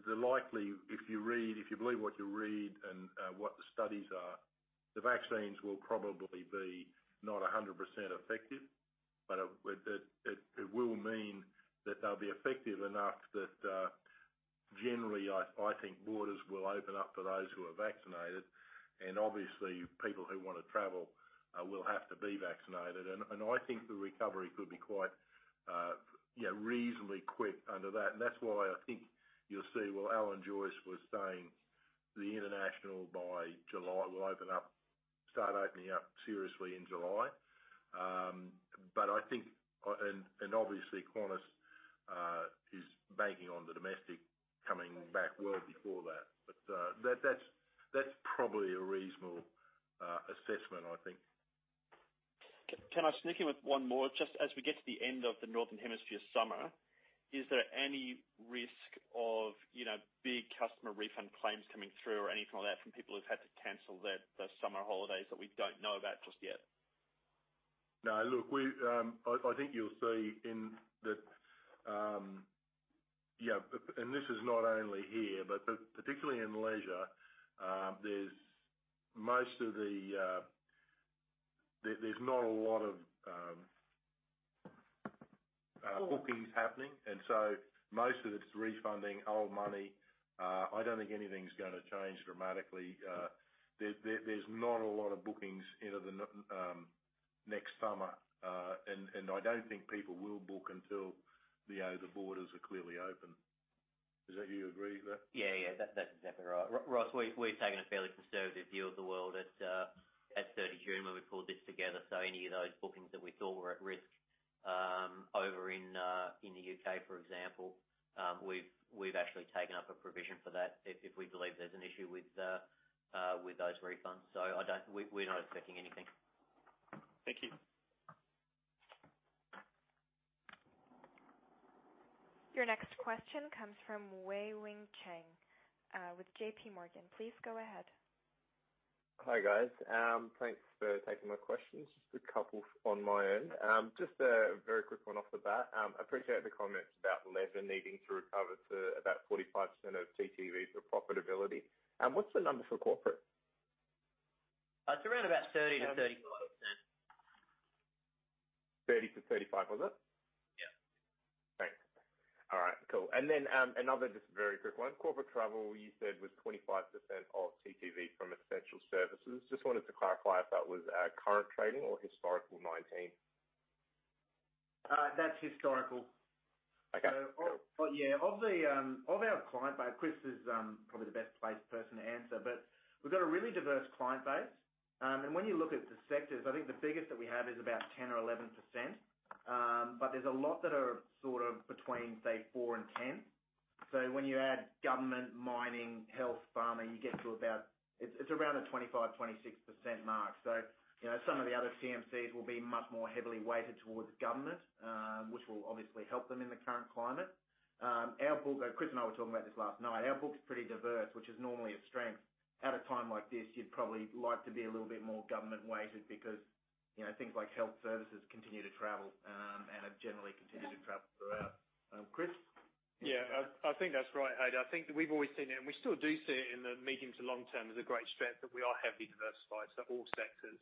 the likely, if you believe what you read and what the studies are, the vaccines will probably be not 100% effective, but it will mean that they'll be effective enough that generally, I think, borders will open up for those who are vaccinated. And obviously, people who want to travel will have to be vaccinated. And I think the recovery could be quite reasonably quick under that. And that's why I think you'll see, well, Alan Joyce was saying the international by July will open up, start opening up seriously in July. But I think, and obviously, Qantas is banking on the domestic coming back well before that. But that's probably a reasonable assessment, I think. Can I sneak in with one more? Just as we get to the end of the northern hemisphere summer, is there any risk of big customer refund claims coming through or anything like that from people who've had to cancel their summer holidays that we don't know about just yet? No. Look, I think you'll see in that, yeah, and this is not only here, but particularly in leisure, there's not a lot of bookings happening. And so most of it's refunding old money. I don't think anything's going to change dramatically. There's not a lot of bookings into the next summer. And I don't think people will book until the borders are clearly open. Do you agree with that? Yeah. Yeah. That's exactly right. Ross, we've taken a fairly conservative view of the world at 30 June when we pulled this together. So any of those bookings that we thought were at risk over in the UK, for example, we've actually taken up a provision for that if we believe there's an issue with those refunds. So we're not expecting anything. Thank you. Your next question comes from Wei-Weng Chen with J.P. Morgan. Please go ahead. Hi guys. Thanks for taking my questions. Just a couple on my own. Just a very quick one off the bat. I appreciate the comments about leisure needing to recover to about 45% of TTV for profitability. What's the number for corporate? It's around about 30%-35%. 30 to 35, was it? Yeah. Thanks. All right. Cool. And then another just very quick one. Corporate travel, you said, was 25% of TTV from essential services. Just wanted to clarify if that was current trading or historical 2019? That's historical. Okay. So yeah, of our client base, Chris is probably the best placed person to answer, but we've got a really diverse client base. And when you look at the sectors, I think the biggest that we have is about 10 or 11%. But there's a lot that are sort of between, say, 4% and 10%. So when you add government, mining, health, pharma, you get to about it's around the 25%-26% mark. So some of the other TMCs will be much more heavily weighted towards government, which will obviously help them in the current climate. Our book. Chris and I were talking about this last night. Our book's pretty diverse, which is normally a strength. At a time like this, you'd probably like to be a little bit more government-weighted because things like health services continue to travel and have generally continued to travel throughout. Chris? Yeah. I think that's right, Haydn. I think we've always seen it, and we still do see it in the medium to long term. There's a great strength that we are heavily diversified for all sectors.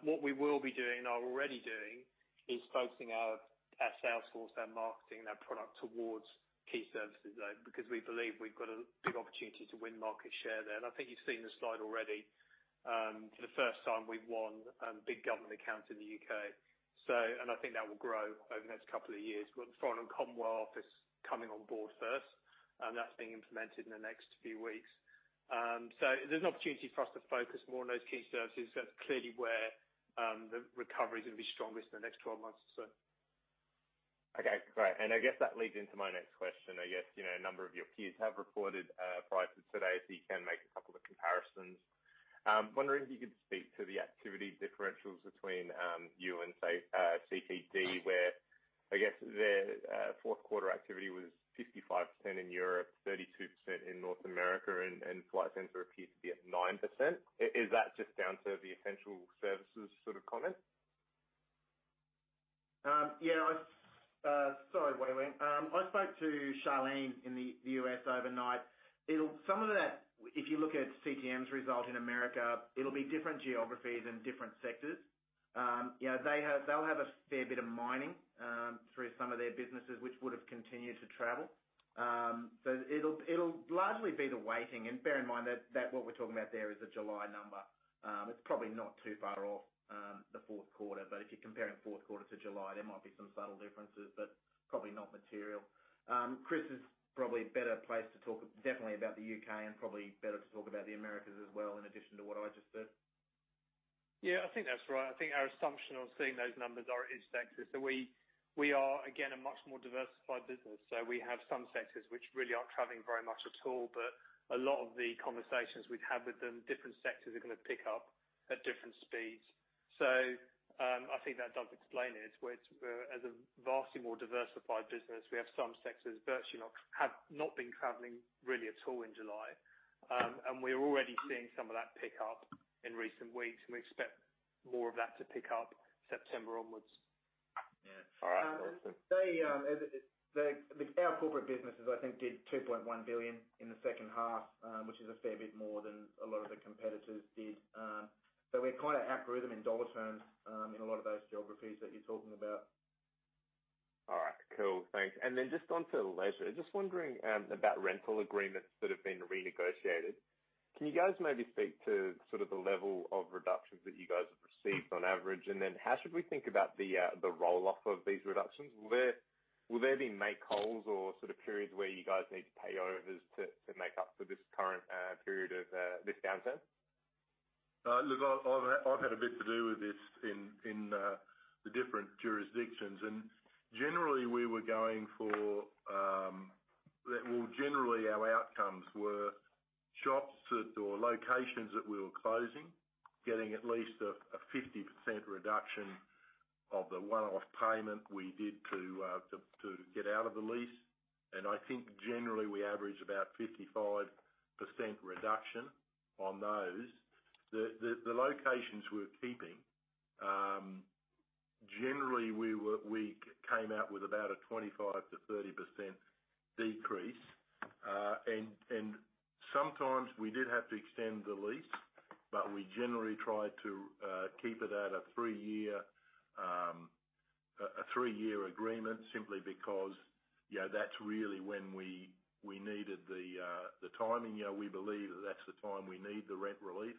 What we will be doing and are already doing is focusing our sales force, our marketing, and our product towards key services though because we believe we've got a big opportunity to win market share there, and I think you've seen the slide already. For the first time, we've won big government accounts in the U.K., and I think that will grow over the next couple of years. We've got the Foreign and Commonwealth Office coming on board first, and that's being implemented in the next few weeks, so there's an opportunity for us to focus more on those key services. That's clearly where the recovery is going to be strongest in the next 12 months or so. Okay. Great. And I guess that leads into my next question. I guess a number of your peers have reported results today, so you can make a couple of comparisons. I'm wondering if you could speak to the activity differentials between you and, say, CPD, where I guess their fourth-quarter activity was 55% in Europe, 32% in North America, and Flight Centre appeared to be at 9%. Is that just down to the essential services sort of comment? Yeah. Sorry, Wei-Weng. I spoke to Charlene in the U.S. overnight. Some of that, if you look at CTM's result in America, it'll be different geographies and different sectors. They'll have a fair bit of mining through some of their businesses, which would have continued to travel. So it'll largely be the weighting. And bear in mind that what we're talking about there is a July number. It's probably not too far off the fourth quarter. But if you're comparing fourth quarter to July, there might be some subtle differences, but probably not material. Chris is probably a better place to talk definitely about the U.K. and probably better to talk about the Americas as well in addition to what I just said. Yeah. I think that's right. I think our assumption on seeing those numbers are it's sectors. So we are, again, a much more diversified business. So we have some sectors which really aren't traveling very much at all. But a lot of the conversations we've had with them, different sectors are going to pick up at different speeds. So I think that does explain it. As a vastly more diversified business, we have some sectors virtually have not been traveling really at all in July. And we are already seeing some of that pick up in recent weeks, and we expect more of that to pick up September onwards. Yeah. All right. Awesome. Our corporate businesses, I think, did 2.1 billion in the second half, which is a fair bit more than a lot of the competitors did. So we're quite at our rhythm in dollar terms in a lot of those geographies that you're talking about. All right. Cool. Thanks. And then just on to leisure, just wondering about rental agreements that have been renegotiated. Can you guys maybe speak to sort of the level of reductions that you guys have received on average? And then how should we think about the roll-off of these reductions? Will there be make-whole or sort of periods where you guys need to pay overs to make up for this current period of this downturn? Look, I've had a bit to do with this in the different jurisdictions. And generally, we were going for well, generally, our outcomes were shops or locations that we were closing getting at least a 50% reduction of the one-off payment we did to get out of the lease. And I think generally, we averaged about 55% reduction on those. The locations we were keeping, generally, we came out with about a 25%-30% decrease. And sometimes we did have to extend the lease, but we generally tried to keep it at a three-year agreement simply because that's really when we needed the timing. We believe that that's the time we need the rent relief,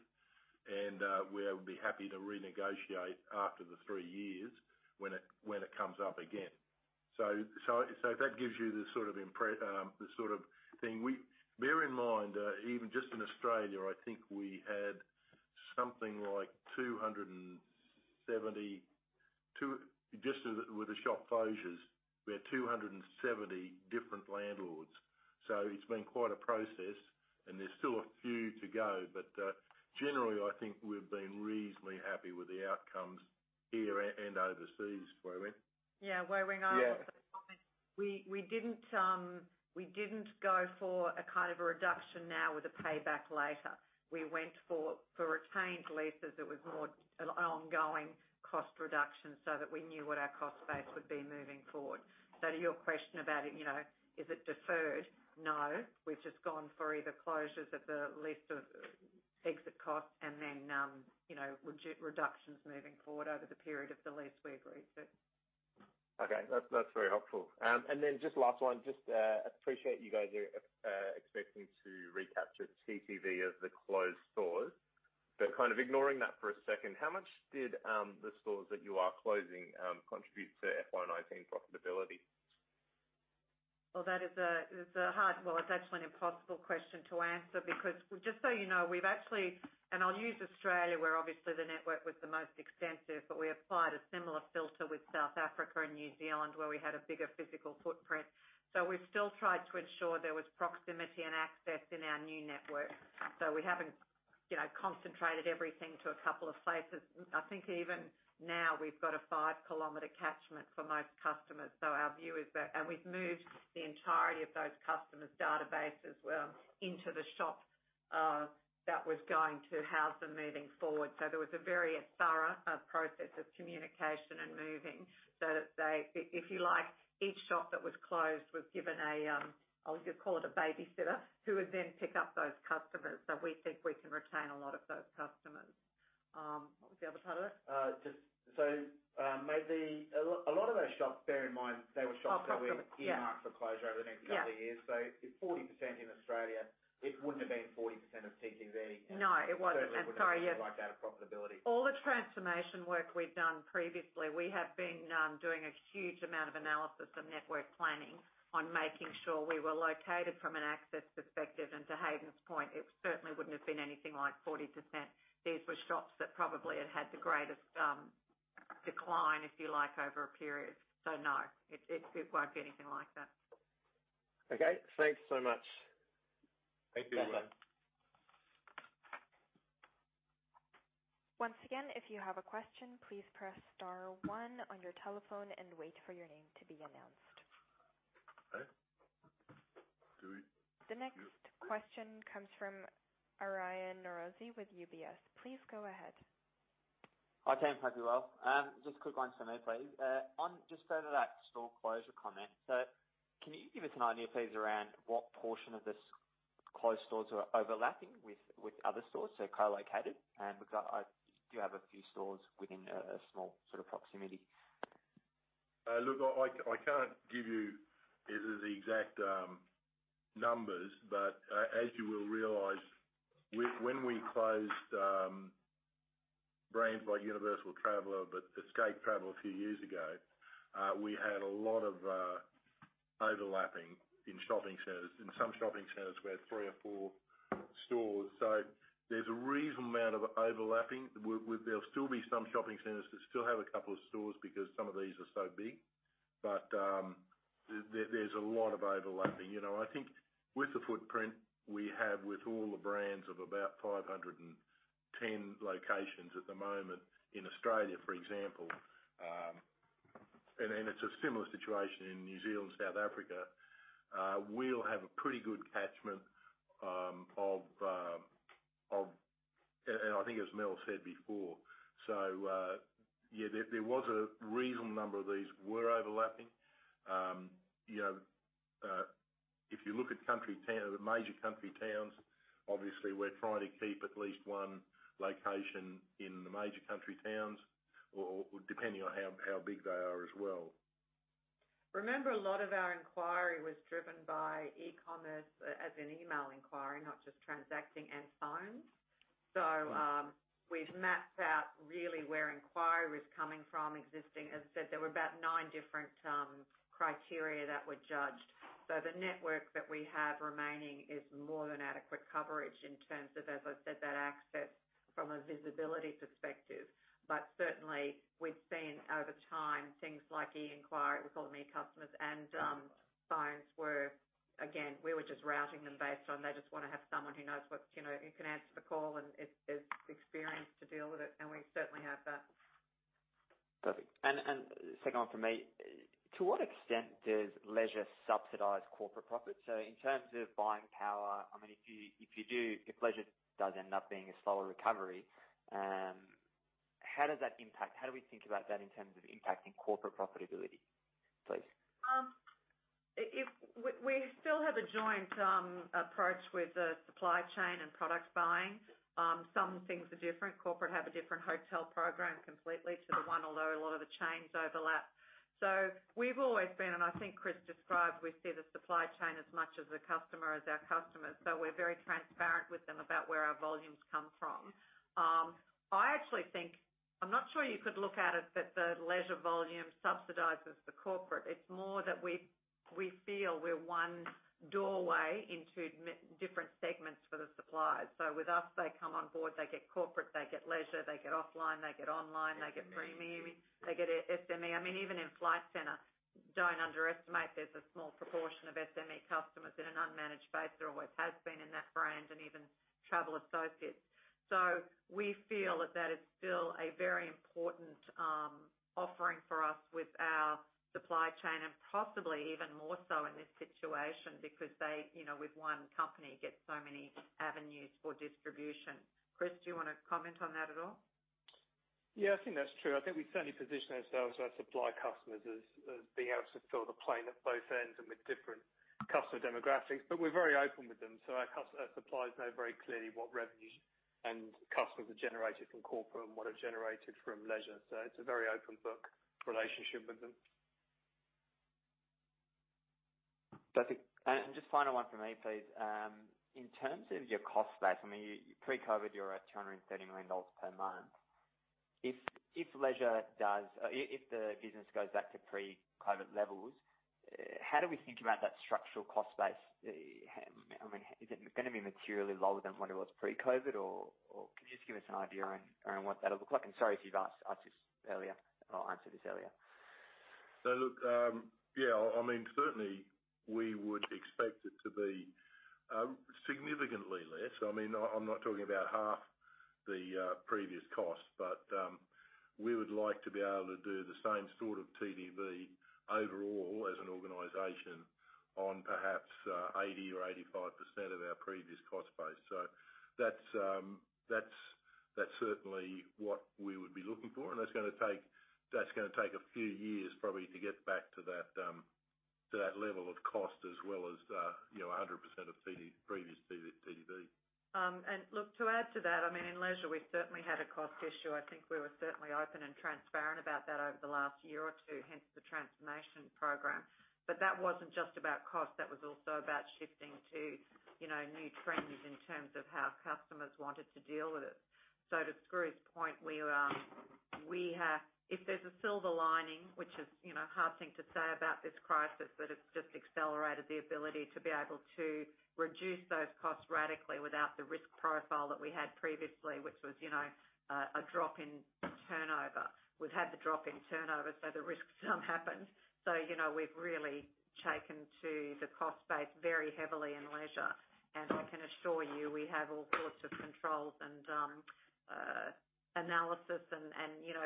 and we would be happy to renegotiate after the three years when it comes up again. So that gives you the sort of thing. Bear in mind, even just in Australia, I think we had something like 270 just with the shop closures. We had 270 different landlords. So it's been quite a process, and there's still a few to go. But generally, I think we've been reasonably happy with the outcomes here and overseas, Wei-Weng. Yeah. Wei-Weng Chen is also coming. We didn't go for a kind of a reduction now with a payback later. We went for retained leases. It was more an ongoing cost reduction so that we knew what our cost base would be moving forward. So to your question about it, is it deferred? No. We've just gone for either closures of the lease or exit costs and then reductions moving forward over the period of the lease we agreed to. Okay. That's very helpful. And then just last one. Just appreciate you guys are expecting to recapture TTV of the closed stores. But kind of ignoring that for a second, how much did the stores that you are closing contribute to FY 2019 profitability? Well, it's actually an impossible question to answer because just so you know, we've actually, and I'll use Australia where obviously the network was the most extensive, but we applied a similar filter with South Africa and New Zealand where we had a bigger physical footprint. So we've still tried to ensure there was proximity and access in our new network. So our view is that, and we've moved the entirety of those customers' databases into the shop that was going to house them moving forward. So there was a very thorough process of communication and moving so that, if you like, each shop that was closed was given a, I'll just call it a babysitter, who would then pick up those customers. So we think we can retain a lot of those customers. What was the other part of that? So a lot of those shops, bear in mind, they were shops that were earmarked for closure over the next couple of years. So if 40% in Australia, it wouldn't have been 40% of TTV. No, it wasn't. I'm sorry. Yeah. It wouldn't have been like that of profitability. All the transformation work we've done previously, we have been doing a huge amount of analysis and network planning on making sure we were located from an access perspective, and to Haydn's point, it certainly wouldn't have been anything like 40%. These were shops that probably had had the greatest decline, if you like, over a period, so no, it won't be anything like that. Okay. Thanks so much. Thank you. Once again, if you have a question, please press star one on your telephone and wait for your name to be announced. Okay. Do it. The next question comes from Aryan Norozi with UBS. Please go ahead. Hi. Hope you're well. Just a quick one for me, please. Just further that store closure comment. So can you give us an idea, please, around what portion of the closed stores are overlapping with other stores? So co-located? Because I do have a few stores within a small sort of proximity. Look, I can't give you the exact numbers, but as you will realize, when we closed brands like Universal Traveller, but Escape Travel a few years ago, we had a lot of overlapping in shopping centers. In some shopping centers, we had three or four stores. So there's a reasonable amount of overlapping. There'll still be some shopping centers that still have a couple of stores because some of these are so big. But there's a lot of overlapping. I think with the footprint we have with all the brands of about 510 locations at the moment in Australia, for example, and it's a similar situation in New Zealand, South Africa, we'll have a pretty good catchment of—and I think as Mel said before. So yeah, there was a reasonable number of these were overlapping. If you look at major country towns, obviously, we're trying to keep at least one location in the major country towns, depending on how big they are as well. Remember, a lot of our inquiry was driven by e-commerce as an email inquiry, not just transacting and phones. So we've mapped out really where inquiry was coming from, existing. As I said, there were about nine different criteria that were judged. So the network that we have remaining is more than adequate coverage in terms of, as I said, that access from a visibility perspective. But certainly, we've seen over time things like e-inquiry, we're calling them e-customers, and phones were, again, we were just routing them based on they just want to have someone who knows what's, who can answer the call and is experienced to deal with it. And we certainly have that. Perfect. And second one for me. To what extent does leisure subsidize corporate profits? So in terms of buying power, I mean, if leisure does end up being a slower recovery, how does that impact? How do we think about that in terms of impacting corporate profitability, please? We still have a joint approach with the supply chain and product buying. Some things are different. Corporate have a different hotel program completely to the one, although a lot of the chains overlap. So we've always been, and I think Chris described, we see the supply chain as much as a customer as our customers. So we're very transparent with them about where our volumes come from. I actually think, I'm not sure you could look at it that the leisure volume subsidizes the corporate. It's more that we feel we're one doorway into different segments for the suppliers. So with us, they come on board. They get corporate. They get leisure. They get offline. They get online. They get premium. They get SME. I mean, even in Flight Centre, don't underestimate there's a small proportion of SME customers in an unmanaged base. There always has been in that brand and even Travel Associates. So we feel that that is still a very important offering for us with our supply chain and possibly even more so in this situation because with one company, you get so many avenues for distribution. Chris, do you want to comment on that at all? Yeah. I think that's true. I think we certainly position ourselves as supply customers as being able to fill the plane at both ends and with different customer demographics. But we're very open with them. So our suppliers know very clearly what revenue and customers are generated from corporate and what are generated from leisure. So it's a very open book relationship with them. Perfect. And just final one for me, please. In terms of your cost base, I mean, pre-COVID, you were at 230 million dollars per month. If leisure does—if the business goes back to pre-COVID levels, how do we think about that structural cost base? I mean, is it going to be materially lower than what it was pre-COVID? Or can you just give us an idea around what that'll look like? And sorry if you've asked us this earlier. I'll answer this earlier. So look, yeah, I mean, certainly, we would expect it to be significantly less. I mean, I'm not talking about half the previous cost, but we would like to be able to do the same sort of TTV overall as an organization on perhaps 80% or 85% of our previous cost base. So that's certainly what we would be looking for. And that's going to take a few years probably to get back to that level of cost as well as 100% of previous TTV. And look, to add to that, I mean, in leisure, we certainly had a cost issue. I think we were certainly open and transparent about that over the last year or two, hence the transformation program. But that wasn't just about cost. That was also about shifting to new trends in terms of how customers wanted to deal with it. So to Skroo's point, if there's a silver lining, which is a hard thing to say about this crisis, that it's just accelerated the ability to be able to reduce those costs radically without the risk profile that we had previously, which was a drop in turnover. We've had the drop in turnover, so the risk some happened. So we've really taken to the cost base very heavily in leisure. And I can assure you we have all sorts of controls and analysis and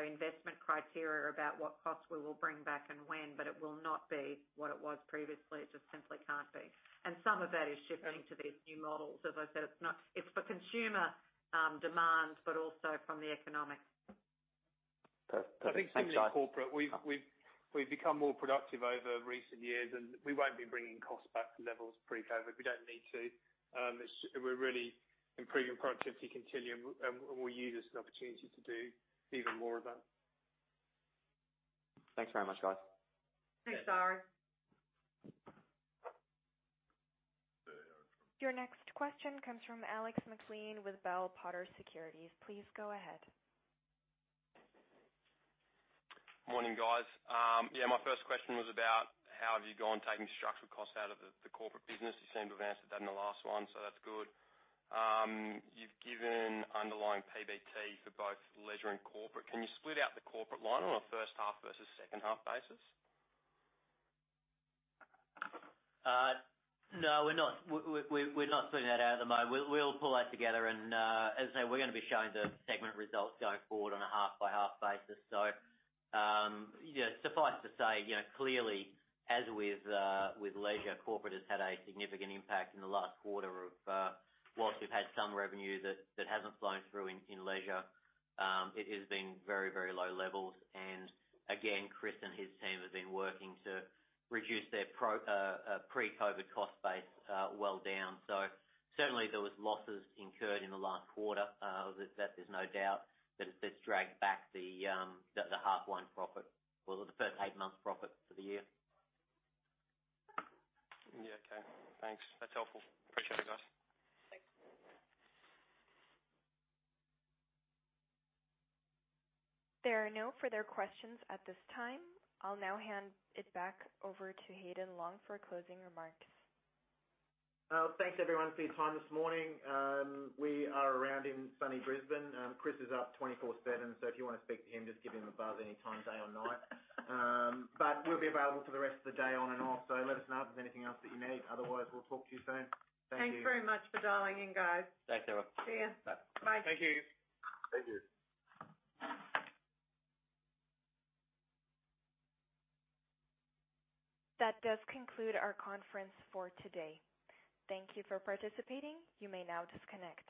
investment criteria about what costs we will bring back and when, but it will not be what it was previously. It just simply can't be. And some of that is shifting to these new models. As I said, it's for consumer demand, but also from the economic. Perfect. I think same as corporate. We've become more productive over recent years, and we won't be bringing costs back to levels pre-COVID. We don't need to. We're really improving productivity continually, and we'll use this as an opportunity to do even more of that. Thanks very much, guys. Thanks, Ari. Your next question comes from Alex McLean with Bell Potter Securities. Please go ahead. Morning, guys. Yeah, my first question was about how have you gone taking structural costs out of the corporate business? You seem to have answered that in the last one, so that's good. You've given underlying PBT for both leisure and corporate. Can you split out the corporate line on a first half versus second half basis? No, we're not splitting that out at the moment. We'll pull that together. And as I say, we're going to be showing the segment results going forward on a half-by-half basis. So suffice to say, clearly, as with leisure, corporate has had a significant impact in the last quarter or whilst we've had some revenue that hasn't flown through in leisure. It has been very, very low levels. And again, Chris and his team have been working to reduce their pre-COVID cost base well down. So certainly, there were losses incurred in the last quarter. There's no doubt that it's dragged back the half-year profit or the first eight months' profit for the year. Yeah. Okay. Thanks. That's helpful. Appreciate it, guys. Thanks. There are no further questions at this time. I'll now hand it back over to Haydn Long for closing remarks. Thanks, everyone, for your time this morning. We are around in sunny Brisbane. Chris is up 24/7, so if you want to speak to him, just give him a buzz anytime, day or night. But we'll be available for the rest of the day on and off, so let us know if there's anything else that you need. Otherwise, we'll talk to you soon. Thank you. Thanks very much for dialing in, guys. Thanks, everyone. See you. Bye. Bye. Thank you. Thank you. That does conclude our conference for today. Thank you for participating. You may now disconnect.